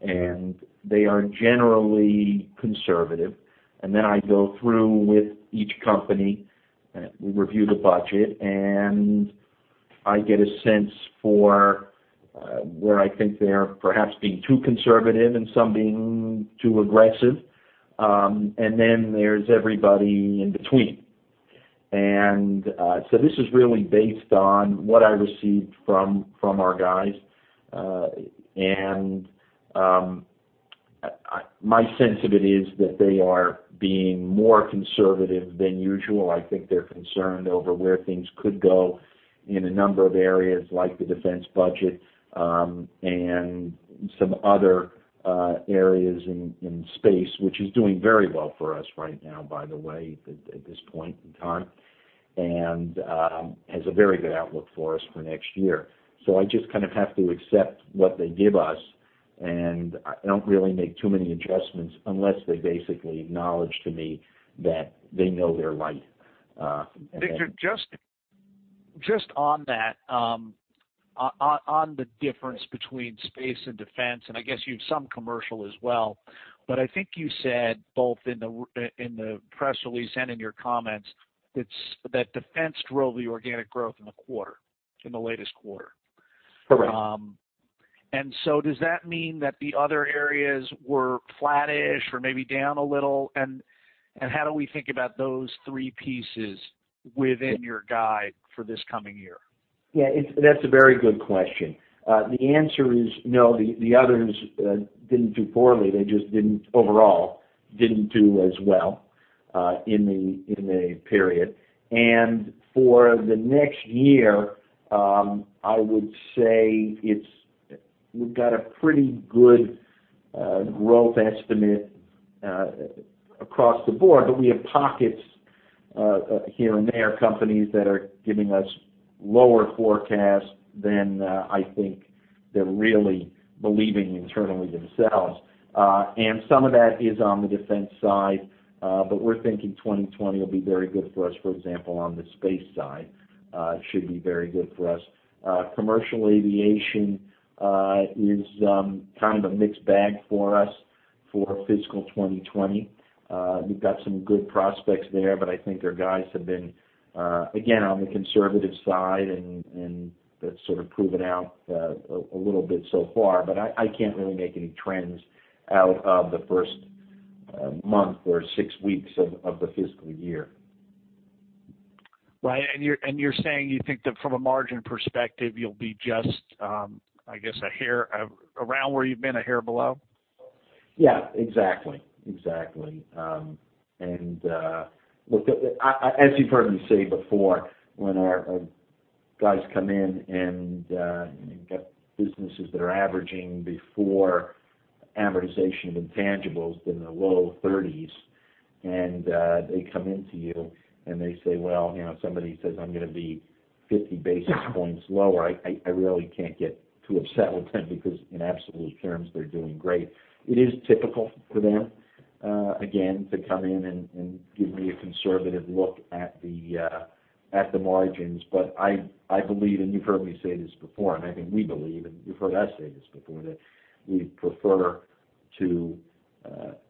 and they are generally conservative. Then I go through with each company, we review the budget, and I get a sense for where I think they're perhaps being too conservative and some being too aggressive. Then there's everybody in between. This is really based on what I received from our guys. My sense of it is that they are being more conservative than usual. I think they're concerned over where things could go in a number of areas, like the defense budget, and some other areas in space, which is doing very well for us right now, by the way, at this point in time, and has a very good outlook for us for next year. I just kind of have to accept what they give us, and I don't really make too many adjustments unless they basically acknowledge to me that they know they're right. Victor, just on that, on the difference between space and defense, and I guess you have some commercial as well, but I think you said both in the press release and in your comments, that defense drove the organic growth in the latest quarter. Correct. Does that mean that the other areas were flattish or maybe down a little? How do we think about those three pieces within your guide for this coming year? That's a very good question. The answer is no, the others didn't do poorly. They just overall didn't do as well in the period. For the next year, I would say we've got a pretty good growth estimate across the board. We have pockets here and there, companies that are giving us lower forecasts than I think they're really believing internally themselves. Some of that is on the defense side. We're thinking 2020 will be very good for us, for example, on the space side. Should be very good for us. Commercial aviation is kind of a mixed bag for us for fiscal 2020. We've got some good prospects there, but I think our guys have been, again, on the conservative side, and that's sort of proven out a little bit so far. I can't really make any trends out of the first month or six weeks of the fiscal year. Right. You're saying you think that from a margin perspective, you'll be just, I guess around where you've been, a hair below? Yeah. Exactly. As you've heard me say before, when our guys come in and got businesses that are averaging before amortization of intangibles in the low 30s, and they come into you and they say, "Well, somebody says I'm going to be 50 basis points lower," I really can't get too upset with them because in absolute terms, they're doing great. It is typical for them, again, to come in and give me a conservative look at the margins. I believe, and you've heard me say this before, and I think we believe, and you've heard us say this before, that we prefer to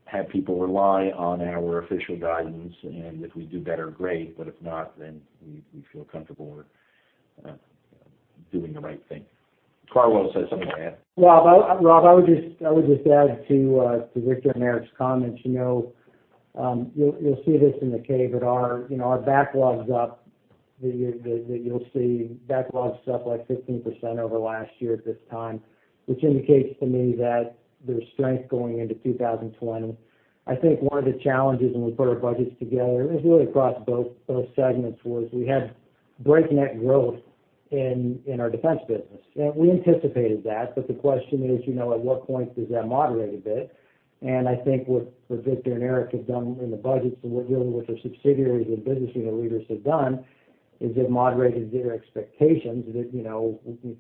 have people rely on our official guidance. If we do better, great, but if not, then we feel comfortable we're doing the right thing. Carl will say something to add. Rob, I would just add to Victor and Eric's comments. You'll see this in the K, but our backlog's up. You'll see backlog's up, like 15% over last year at this time, which indicates to me that there's strength going into 2020. I think one of the challenges when we put our budgets together, and this is really across both segments, was we had breakneck growth in our defense business. We anticipated that. The question is, at what point does that moderate a bit? I think what Victor and Eric have done in the budgets, and what their subsidiaries and business unit leaders have done, is they've moderated their expectations.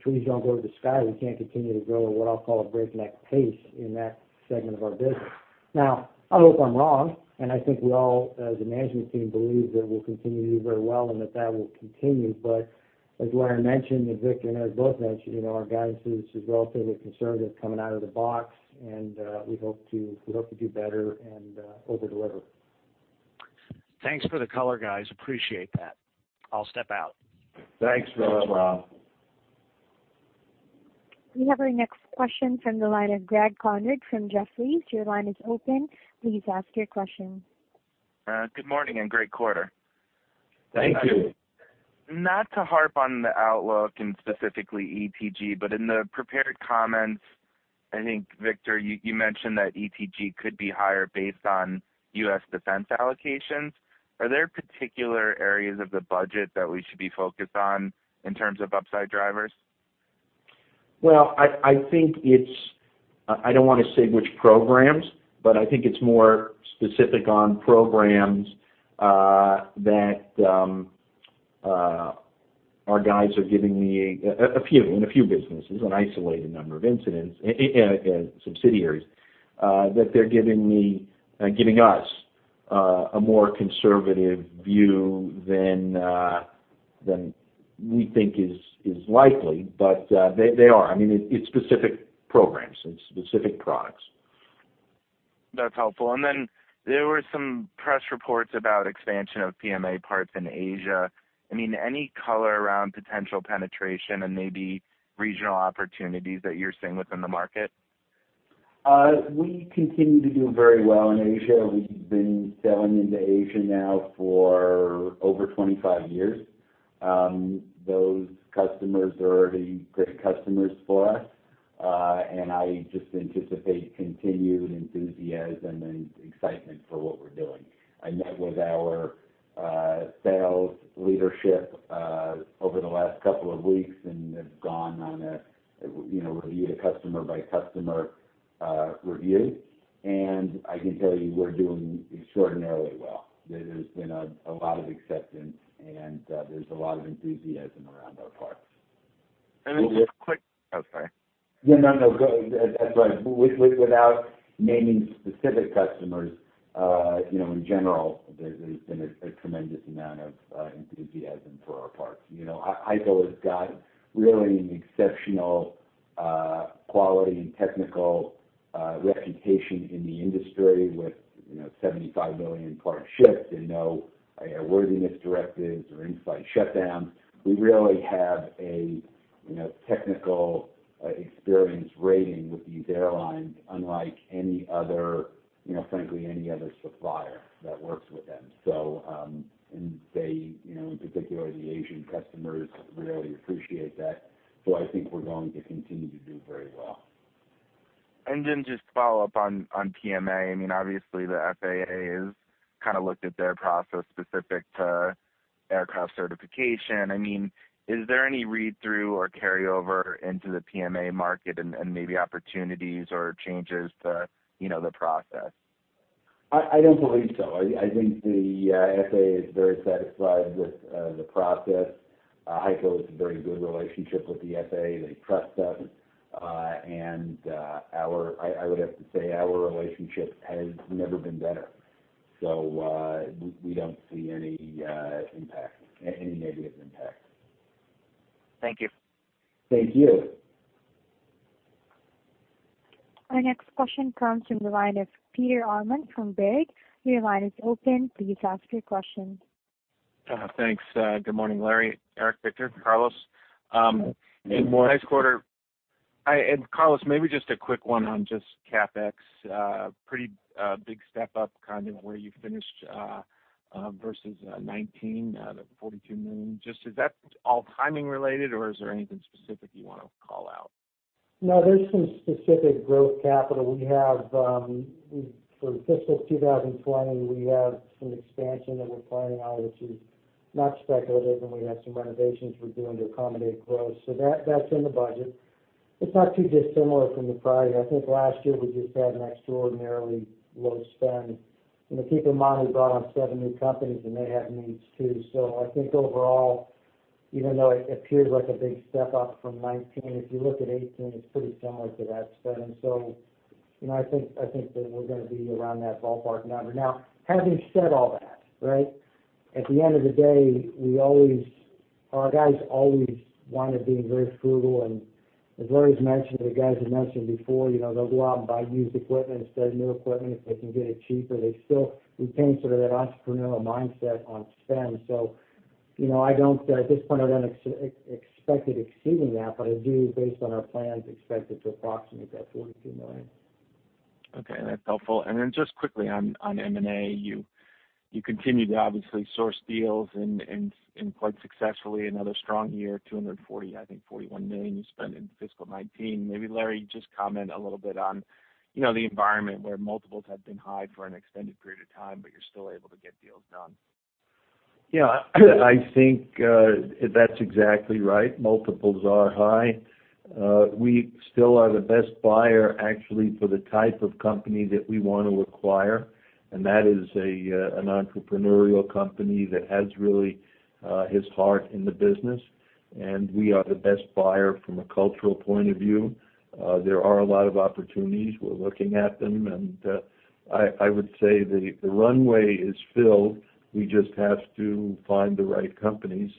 Trees don't grow to the sky. We can't continue to grow at what I'll call a breakneck pace in that segment of our business. I hope I'm wrong, and I think we all, as a management team, believe that we'll continue to do very well and that that will continue. As Laurans mentioned, and Victor and Eric both mentioned, our guidance is relatively conservative coming out of the box. We hope to do better and over-deliver. Thanks for the color, guys. Appreciate that. I'll step out. Thanks, Rob. We have our next question from the line of Greg Konrad from Jefferies. Your line is open. Please ask your question. Good morning and great quarter. Thank you. Not to harp on the outlook and specifically ETG, but in the prepared comments, I think, Victor, you mentioned that ETG could be higher based on U.S. defense allocations. Are there particular areas of the budget that we should be focused on in terms of upside drivers? I don't want to say which programs, but I think it's more specific on programs that our guys are giving me, in a few businesses, an isolated number of subsidiaries, that they're giving us a more conservative view than we think is likely. They are. It's specific programs and specific products. That's helpful. There were some press reports about expansion of PMA parts in Asia. Any color around potential penetration and maybe regional opportunities that you're seeing within the market? We continue to do very well in Asia. We've been selling into Asia now for over 25 years. Those customers are already great customers for us. I just anticipate continued enthusiasm and excitement for what we're doing. I met with our sales leadership over the last couple of weeks, and they've gone on a review, the customer by customer review. I can tell you we're doing extraordinarily well. There's been a lot of acceptance, and there's a lot of enthusiasm around our parts. Oh, sorry. No, that's all right. Without naming specific customers, in general, there's been a tremendous amount of enthusiasm for our parts. HEICO has got really an exceptional quality and technical reputation in the industry with 75 million parts shipped and no airworthiness directives or in-flight shutdowns. We really have a technical experience rating with these airlines, unlike frankly any other supplier that works with them. In particular, the Asian customers really appreciate that. I think we're going to continue to do very well. Just to follow up on PMA. Obviously, the FAA has kind of looked at their process specific to aircraft certification. Is there any read-through or carryover into the PMA market and maybe opportunities or changes to the process? I don't believe so. I think the FAA is very satisfied with the process. HEICO has a very good relationship with the FAA. They trust us. I would have to say our relationship has never been better. We don't see any negative impact. Thank you. Thank you. Our next question comes from the line of Peter Arment from Baird. Your line is open. Please ask your question. Thanks. Good morning, Larry, Eric, Victor, Carlos. Good morning. Carlos, maybe just a quick one on just CapEx. Pretty big step up from where you finished, versus 2019, the $42 million. Just is that all timing related or is there anything specific you want to call out? No, there's some specific growth capital we have. For fiscal 2020, we have some expansion that we're planning on, which is not speculative, and we have some renovations we're doing to accommodate growth. That's in the budget. It's not too dissimilar from the prior year. I think last year we just had an extraordinarily low spend. Keep in mind, we brought on seven new companies, and they have needs, too. I think overall, even though it appears like a big step up from 2019, if you look at 2018, it's pretty similar to that spend. I think that we're going to be around that ballpark number. Having said all that, right, at the end of the day, our guys always wind up being very frugal, and as Larry's mentioned, the guys have mentioned before, they'll go out and buy used equipment instead of new equipment if they can get it cheaper. They still retain sort of that entrepreneurial mindset on spend. At this point, I don't expect it exceeding that, but I do, based on our plans, expect it to approximate that $42 million. Okay. That's helpful. Just quickly on M&A, you continue to obviously source deals and quite successfully, another strong year, $240, I think $41 million you spent in fiscal 2019. Maybe Larry, just comment a little bit on the environment where multiples have been high for an extended period of time, but you're still able to get deals done. Yeah. I think that's exactly right. Multiples are high. We still are the best buyer actually for the type of company that we want to acquire, and that is an entrepreneurial company that has really his heart in the business, and we are the best buyer from a cultural point of view. There are a lot of opportunities. We're looking at them. I would say the runway is filled. We just have to find the right companies.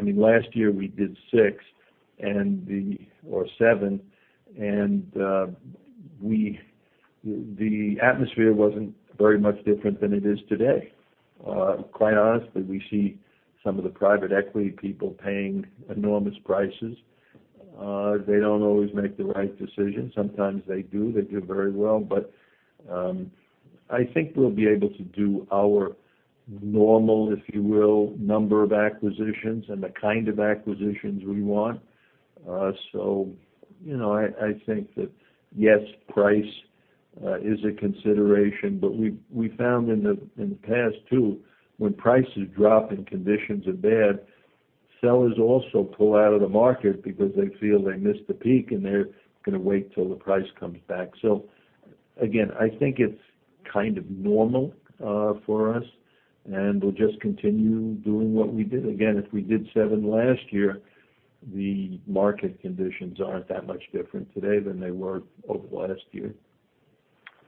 Last year we did six or seven, and the atmosphere wasn't very much different than it is today. Quite honestly, we see some of the private equity people paying enormous prices. They don't always make the right decision. Sometimes they do. They do very well. I think we'll be able to do our normal, if you will, number of acquisitions and the kind of acquisitions we want. I think that yes, price is a consideration, but we found in the past too, when prices drop and conditions are bad, sellers also pull out of the market because they feel they missed the peak and they're going to wait till the price comes back. Again, I think it's kind of normal for us, and we'll just continue doing what we did. Again, if we did seven last year, the market conditions aren't that much different today than they were over the last year.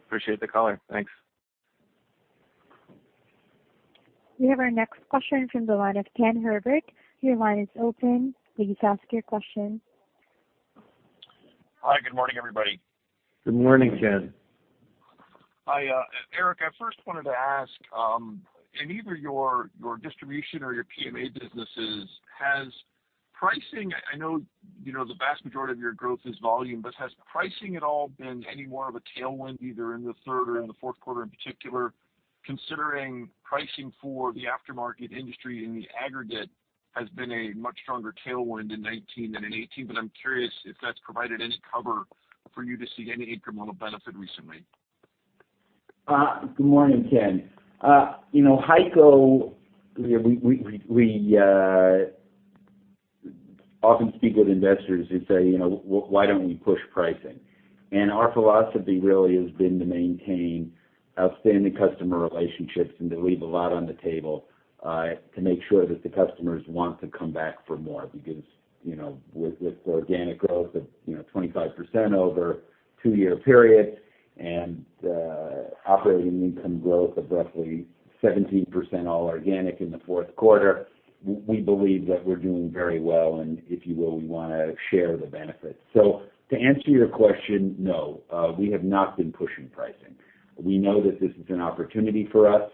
Appreciate the color. Thanks. We have our next question from the line of Ken Herbert. Your line is open. Please ask your question. Hi. Good morning, everybody. Good morning, Ken. Hi. Eric, I first wanted to ask in either your distribution or your PMA businesses, has pricing, I know the vast majority of your growth is volume, but has pricing at all been any more of a tailwind either in the third or in the fourth quarter in particular, considering pricing for the aftermarket industry in the aggregate has been a much stronger tailwind in 2019 than in 2018. I'm curious if that's provided any cover for you to see any incremental benefit recently? Good morning, Ken. HEICO, we often speak with investors who say, "Why don't we push pricing?" Our philosophy really has been to maintain outstanding customer relationships and to leave a lot on the table to make sure that the customers want to come back for more. With organic growth of 25% over a two-year period and operating income growth of roughly 17%, all organic in the fourth quarter, we believe that we're doing very well, and if you will, we want to share the benefits. To answer your question, no. We have not been pushing pricing. We know that this is an opportunity for us.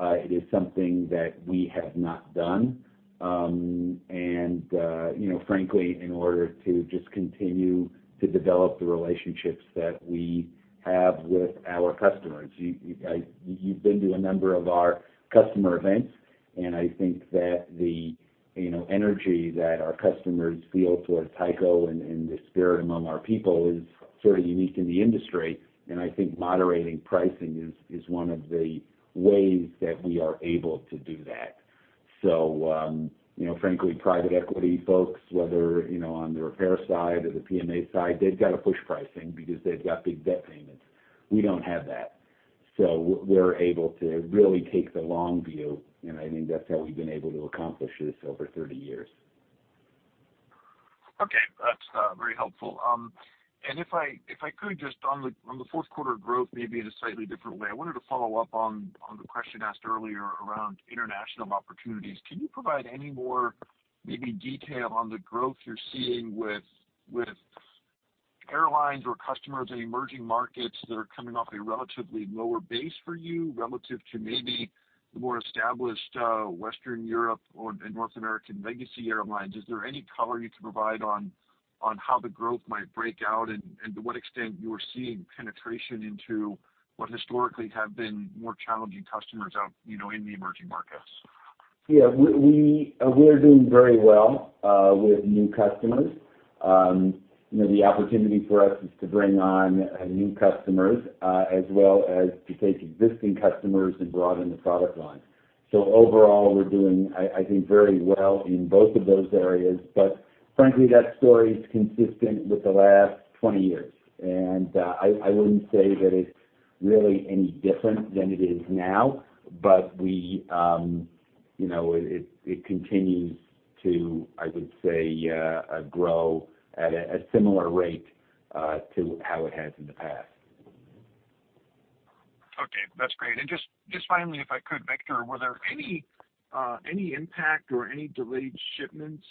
It is something that we have not done, frankly, in order to just continue to develop the relationships that we have with our customers. You've been to a number of our customer events, and I think that the energy that our customers feel towards HEICO and the spirit among our people is sort of unique in the industry, and I think moderating pricing is one of the ways that we are able to do that. Frankly, private equity folks, whether on the repair side or the PMA side, they've got to push pricing because they've got big debt payments. We don't have that. We're able to really take the long view, and I think that's how we've been able to accomplish this over 30 years. Okay. That's very helpful. If I could, just on the fourth quarter growth, maybe in a slightly different way, I wanted to follow up on the question asked earlier around international opportunities. Can you provide any more maybe detail on the growth you're seeing with airlines or customers in emerging markets that are coming off a relatively lower base for you relative to maybe the more established Western Europe or North American legacy airlines? Is there any color you can provide on how the growth might break out and to what extent you are seeing penetration into what historically have been more challenging customers out in the emerging markets? Yeah, we're doing very well with new customers. The opportunity for us is to bring on new customers, as well as to take existing customers and broaden the product line. Overall, we're doing, I think, very well in both of those areas. Frankly, that story's consistent with the last 20 years. I wouldn't say that it's really any different than it is now, but it continues to, I would say, grow at a similar rate to how it has in the past. Okay. That's great. Just finally, if I could, Victor, were there any impact or any delayed shipments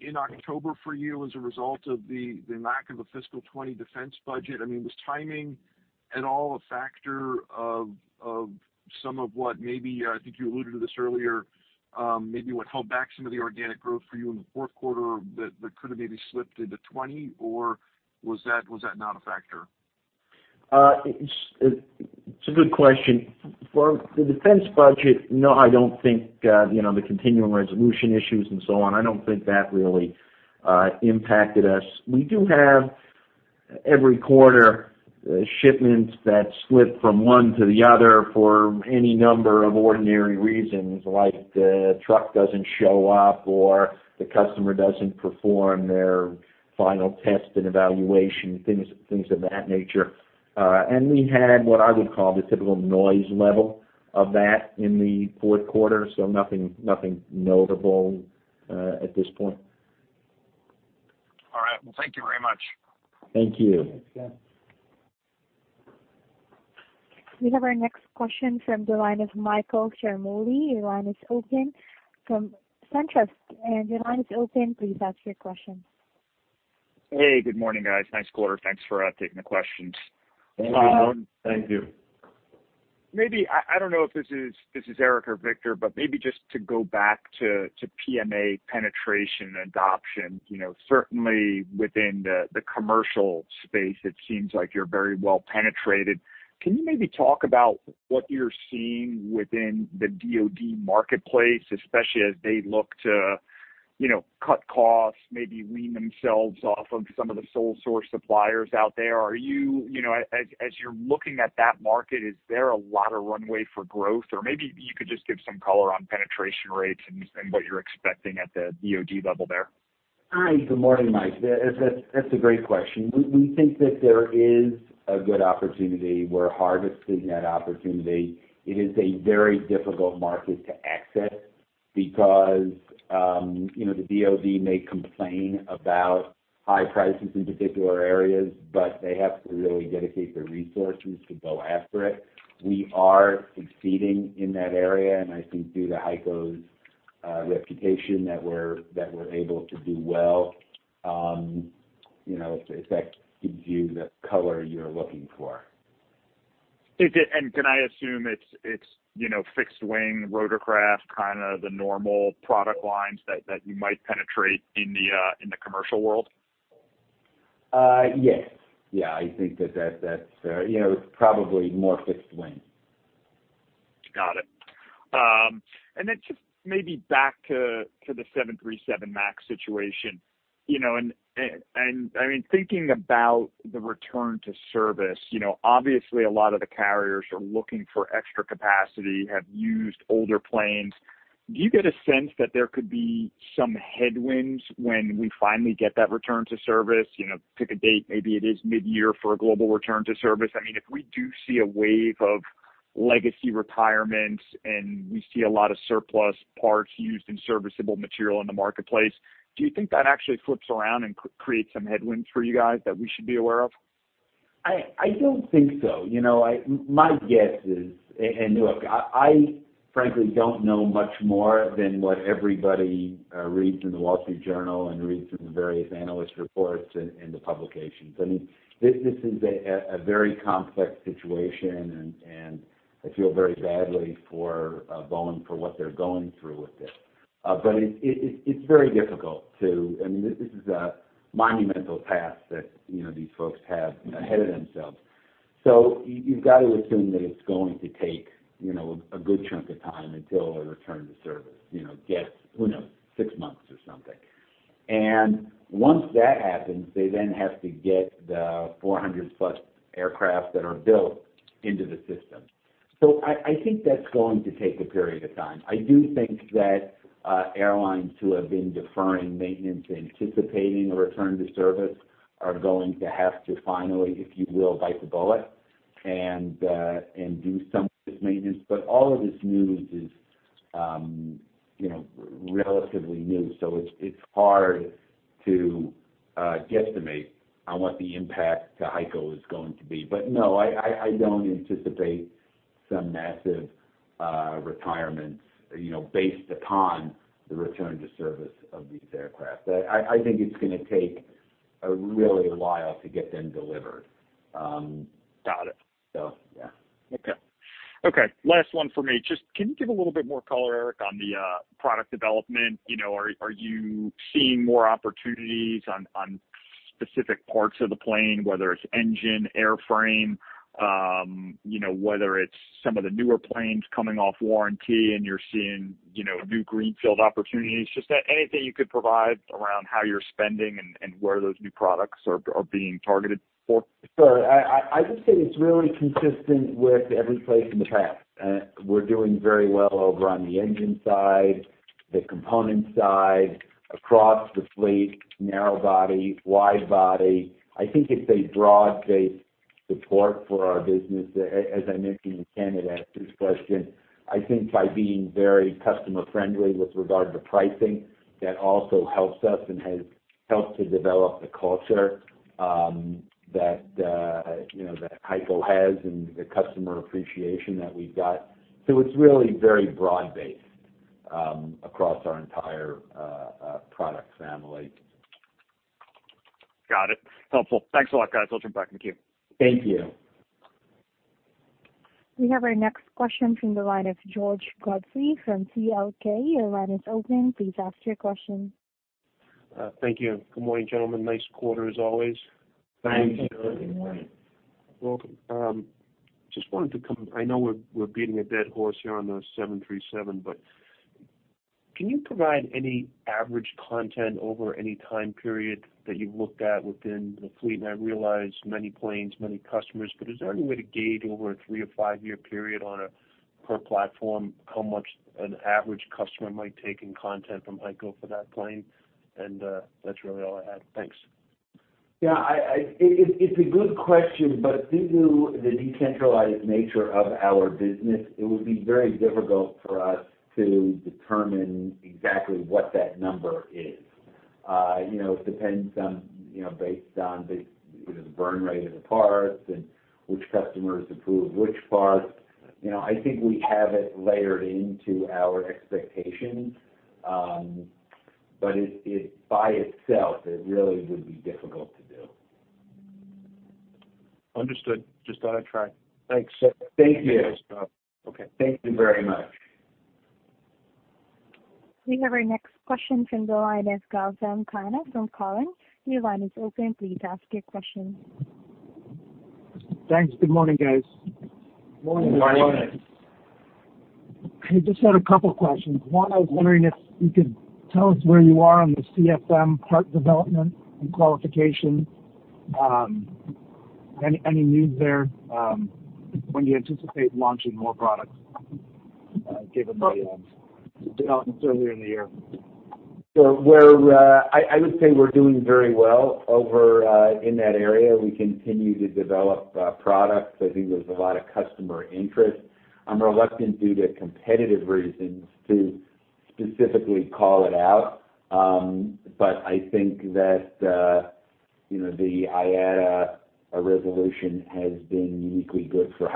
in October for you as a result of the lack of a fiscal 2020 defense budget? I mean, was timing at all a factor of some of what maybe, I think you alluded to this earlier, maybe what held back some of the organic growth for you in the fourth quarter that could have maybe slipped into 2020, or was that not a factor? It's a good question. For the defense budget, no, I don't think, the continuing resolution issues and so on, I don't think that really impacted us. We do have every quarter shipments that slip from one to the other for any number of ordinary reasons, like the truck doesn't show up or the customer doesn't perform their final test and evaluation, things of that nature. We had what I would call the typical noise level of that in the fourth quarter, so nothing notable at this point. All right. Well, thank you very much. Thank you. Thanks, Scott. We have our next question from the line of Michael Ciarmoli. Your line is open from SunTrust, and your line is open. Please ask your question. Hey, good morning, guys. Nice quarter. Thanks for taking the questions. Thank you. Maybe, I don't know if this is Eric or Victor, but maybe just to go back to PMA penetration adoption. Certainly within the commercial space, it seems like you're very well penetrated. Can you maybe talk about what you're seeing within the DoD marketplace, especially as they look to cut costs, maybe wean themselves off of some of the sole source suppliers out there? Are you, as you're looking at that market, is there a lot of runway for growth? Maybe you could just give some color on penetration rates and what you're expecting at the DoD level there. Good morning, Mike. That's a great question. We think that there is a good opportunity. We're harvesting that opportunity. It is a very difficult market to access because the DoD may complain about high prices in particular areas, but they have to really dedicate the resources to go after it. We are succeeding in that area, and I think due to HEICO's reputation that we're able to do well. If that gives you the color you're looking for. Can I assume it's fixed wing rotorcraft, kind of the normal product lines that you might penetrate in the commercial world? Yes. I think that that's probably more fixed wing. Got it. Then just maybe back to the 737 MAX situation, and thinking about the return to service, obviously a lot of the carriers are looking for extra capacity, have used older planes. Do you get a sense that there could be some headwinds when we finally get that return to service? Pick a date, maybe it is mid-year for a global return to service. If we do see a wave of legacy retirements and we see a lot of surplus parts used in serviceable material in the marketplace, do you think that actually flips around and creates some headwinds for you guys that we should be aware of? I don't think so. My guess is, look, I frankly don't know much more than what everybody reads in The Wall Street Journal and reads in the various analyst reports and the publications. This is a very complex situation, I feel very badly for Boeing for what they're going through with this. It's very difficult. This is a monumental task that these folks have ahead of themselves. You've got to assume that it's going to take a good chunk of time until a return to service. Guess six months or something. Once that happens, they then have to get the 400 plus aircraft that are built into the system. I think that's going to take a period of time. I do think that airlines who have been deferring maintenance and anticipating a return to service are going to have to finally, if you will, bite the bullet. Do some of this maintenance. All of this news is relatively new, so it's hard to guesstimate on what the impact to HEICO is going to be. No, I don't anticipate some massive retirements based upon the return to service of these aircraft. I think it's going to take a really while to get them delivered. Got it. Yeah. Okay. Last one from me. Just, can you give a little bit more color, Eric, on the product development? Are you seeing more opportunities on specific parts of the plane, whether it's engine, airframe? Whether it's some of the newer planes coming off warranty and you're seeing new greenfield opportunities? Just anything you could provide around how you're spending and where those new products are being targeted for? Sure. I would say it's really consistent with every place in the past. We're doing very well over on the engine side, the component side, across the fleet, narrow body, wide body. I think it's a broad-based support for our business. As I mentioned to Ken, who asked this question, I think by being very customer-friendly with regard to pricing, that also helps us and has helped to develop the culture that HEICO has and the customer appreciation that we've got. It's really very broad-based across our entire product family. Got it. Helpful. Thanks a lot, guys. I'll jump back in the queue. Thank you. We have our next question from the line of George Godfrey from C.L. King. Your line is open. Please ask your question. Thank you. Good morning, gentlemen. Nice quarter, as always. Thanks. Good morning. Welcome. Just wanted to come I know we're beating a dead horse here on the 737, but can you provide any average content over any time period that you've looked at within the fleet? I realize many planes, many customers, but is there any way to gauge over a three- or five-year period on a per platform how much an average customer might take in content from HEICO for that plane? That's really all I had. Thanks. Yeah. It's a good question. Due to the decentralized nature of our business, it would be very difficult for us to determine exactly what that number is. It depends based on the burn rate of the parts and which customers approve which parts. I think we have it layered into our expectations. By itself, it really would be difficult to do. Understood. Just thought I'd try. Thanks. Thank you. Okay. Thank you very much. We have our next question from the line of Gautam Khanna from TD Cowen. Your line is open. Please ask your question. Thanks. Good morning, guys. Morning. Good morning. I just had a couple questions. One, I was wondering if you could tell us where you are on the CFM part development and qualification. Any news there? When do you anticipate launching more products, given the developments earlier in the year? I would say we're doing very well over in that area. We continue to develop products. I think there's a lot of customer interest. I'm reluctant, due to competitive reasons, to specifically call it out. I think that the IATA resolution has been uniquely good for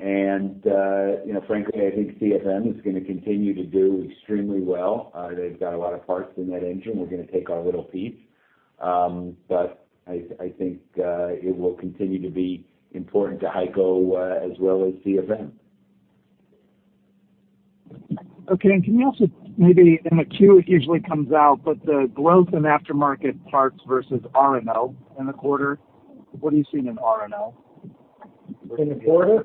HEICO. Frankly, I think CFM is going to continue to do extremely well. They've got a lot of parts in that engine. We're going to take our little piece. I think it will continue to be important to HEICO, as well as CFM. Okay. Can you also, maybe in the Q it usually comes out, but the growth in aftermarket parts versus R&O in the quarter, what are you seeing in R&O? In the quarter?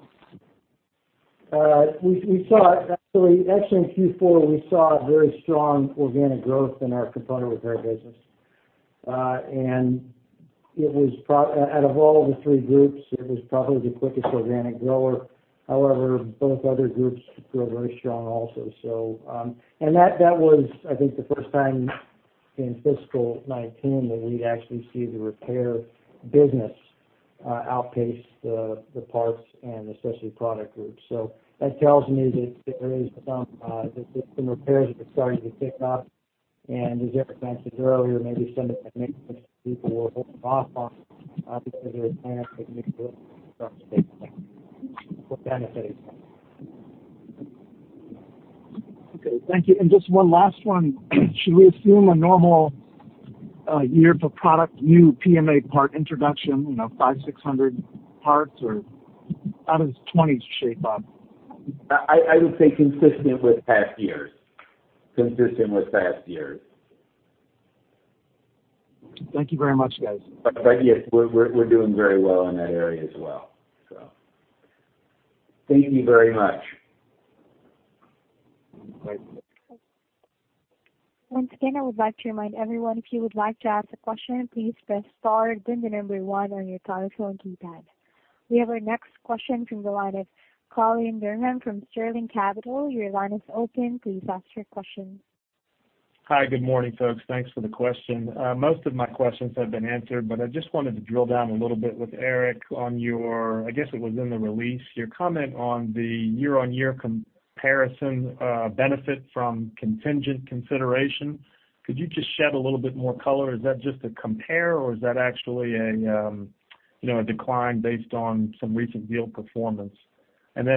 Actually, in Q4, we saw a very strong organic growth in our component repair business. Out of all of the three groups, it was probably the quickest organic grower. However, both other groups grew very strong also. That was, I think, the first time in fiscal 2019 that we'd actually see the repair business outpace the parts and accessory product groups. That tells me that the repairs have been starting to pick up. As Eric mentioned earlier, maybe some of the maintenance people were holding off on because they were planning for the next benefit. Okay. Thank you. Just one last one. Should we assume a normal year for product, new PMA part introduction, 500, 600 parts? How does 2020 shape up? I would say consistent with past years. Thank you very much, guys. Yes, we're doing very well in that area as well. Thank you very much. Thanks. Once again, I would like to remind everyone, if you would like to ask a question, please press star then the number one on your telephone keypad. We have our next question from the line of Colleen Burnham from Sterling Capital. Your line is open. Please ask your question. Hi. Good morning, folks. Thanks for the question. Most of my questions have been answered, but I just wanted to drill down a little bit with Eric on your, I guess it was in the release, your comment on the year-on-year comparison benefit from contingent consideration. Could you just shed a little bit more color? Is that just a compare, or is that actually a decline based on some recent deal performance?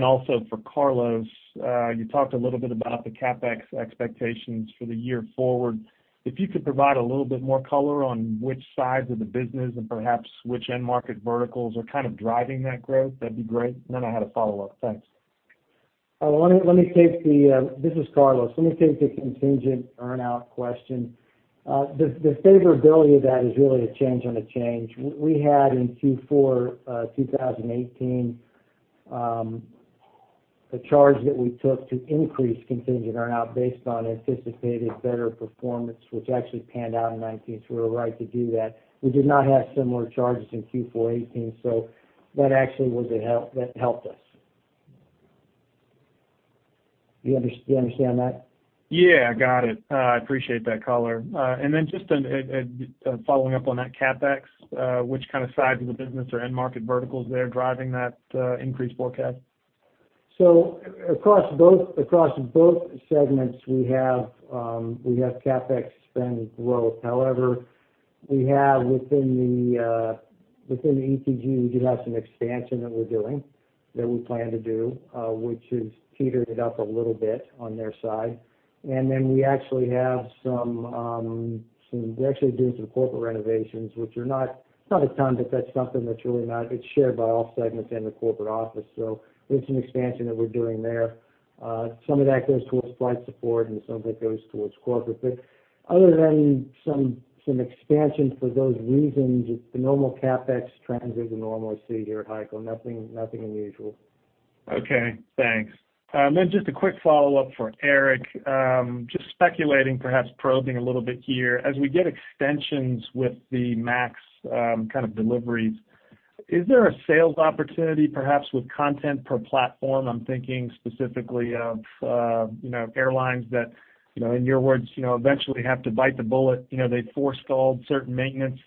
Also for Carlos, you talked a little bit about the CapEx expectations for the year forward. If you could provide a little bit more color on which sides of the business and perhaps which end market verticals are kind of driving that growth, that'd be great. I had a follow-up. Thanks. This is Carlos. Let me take the contingent earn-out question. The favorability of that is really a change on a change. We had in Q4 2018, a charge that we took to increase contingent earn-out based on anticipated better performance, which actually panned out in 2019, so we were right to do that. We did not have similar charges in Q4 2018, so that actually helped us. Do you understand that? Yeah, got it. I appreciate that color. Just following up on that CapEx, which side of the business or end market verticals are driving that increased forecast? Across both segments, we have CapEx spend growth. However, within the ETG, we do have some expansion that we're doing, that we plan to do, which has teetered it up a little bit on their side. We're actually doing some corporate renovations. It's not a ton, but that's something that's really not-- it's shared by all segments in the corporate office. It's an expansion that we're doing there. Some of that goes towards Flight Support and some of it goes towards corporate. Other than some expansion for those reasons, it's the normal CapEx trends that you normally see here at HEICO. Nothing unusual. Okay, thanks. Just a quick follow-up for Eric. Just speculating, perhaps probing a little bit here. As we get extensions with the MAX deliveries, is there a sales opportunity perhaps with content per platform? I'm thinking specifically of airlines that, in your words, eventually have to bite the bullet. They've forestalled certain maintenance.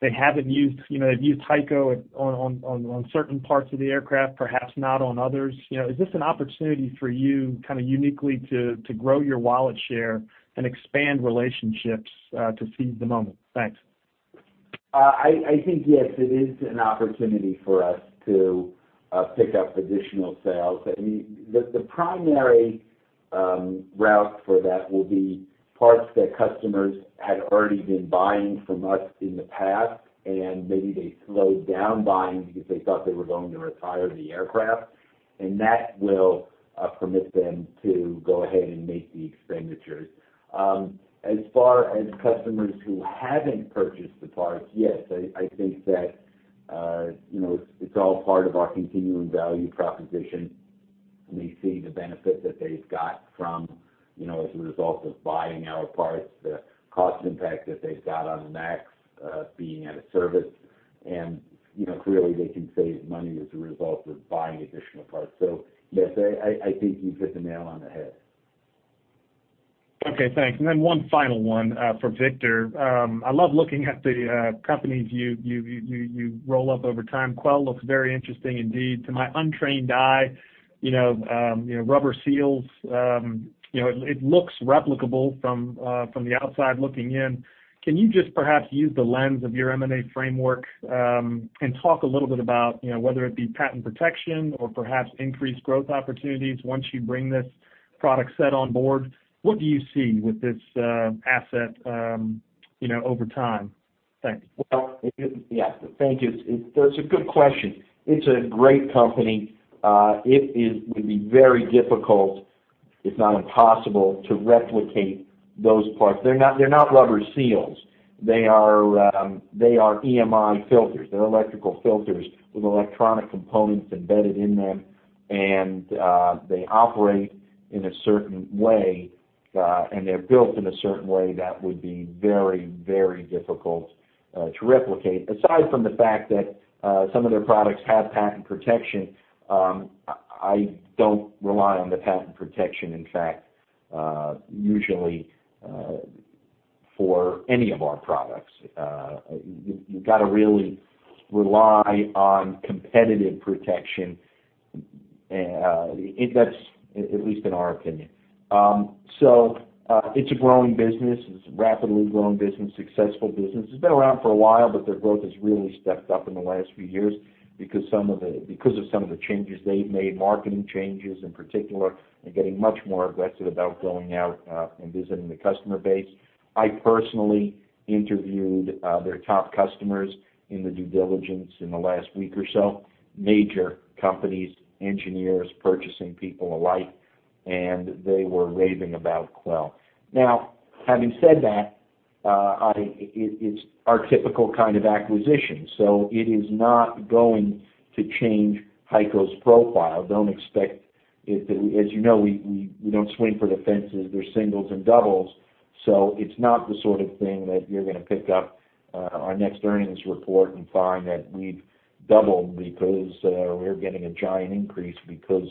They've used HEICO on certain parts of the aircraft, perhaps not on others. Is this an opportunity for you uniquely to grow your wallet share and expand relationships to seize the moment? Thanks. I think yes, it is an opportunity for us to pick up additional sales. I mean, the primary route for that will be parts that customers had already been buying from us in the past, and maybe they slowed down buying because they thought they were going to retire the aircraft. That will permit them to go ahead and make the expenditures. As far as customers who haven't purchased the parts, yes, I think that it's all part of our continuing value proposition. They see the benefit that they've got as a result of buying our parts, the cost impact that they've got on the MAX being out of service. Clearly, they can save money as a result of buying additional parts. Yes, I think you've hit the nail on the head. Okay, thanks. One final one for Victor. I love looking at the companies you roll up over time. Quell looks very interesting indeed to my untrained eye. Rubber seals, it looks replicable from the outside looking in. Can you just perhaps use the lens of your M&A framework, and talk a little bit about whether it be patent protection or perhaps increased growth opportunities once you bring this product set on board? What do you see with this asset over time? Thanks. Yeah. Thank you. That's a good question. It's a great company. It would be very difficult, if not impossible, to replicate those parts. They're not rubber seals. They are EMI filters. They're electrical filters with electronic components embedded in them, and they operate in a certain way, and they're built in a certain way that would be very difficult to replicate. Aside from the fact that some of their products have patent protection, I don't rely on the patent protection, in fact, usually for any of our products. You've got to really rely on competitive protection. That's at least in our opinion. It's a growing business. It's a rapidly growing business, successful business. It's been around for a while, but their growth has really stepped up in the last few years because of some of the changes they've made, marketing changes in particular, and getting much more aggressive about going out and visiting the customer base. I personally interviewed their top customers in the due diligence in the last week or so. Major companies, engineers, purchasing people alike, and they were raving about Quell. Now, having said that, it's our typical kind of acquisition, so it is not going to change HEICO's profile. As you know, we don't swing for the fences. They're singles and doubles, so it's not the sort of thing that you're going to pick up our next earnings report and find that we've doubled because we're getting a giant increase because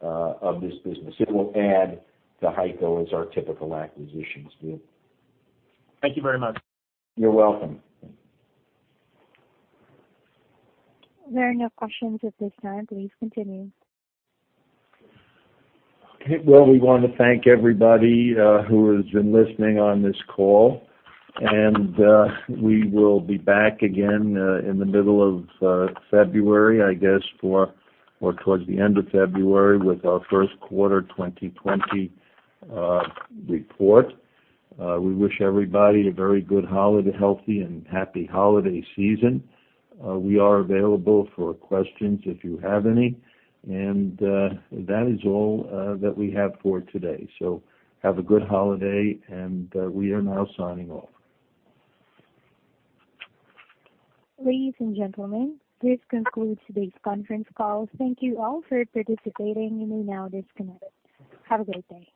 of this business. It will add to HEICO as our typical acquisitions do. Thank you very much. You're welcome. There are no questions at this time. Please continue. Well, we want to thank everybody who has been listening on this call. We will be back again in the middle of February, I guess, or towards the end of February with our first quarter 2020 report. We wish everybody a very good, healthy, and happy holiday season. We are available for questions if you have any. That is all that we have for today. Have a good holiday. We are now signing off. Ladies and gentlemen, this concludes today's conference call. Thank you all for participating. You may now disconnect. Have a great day.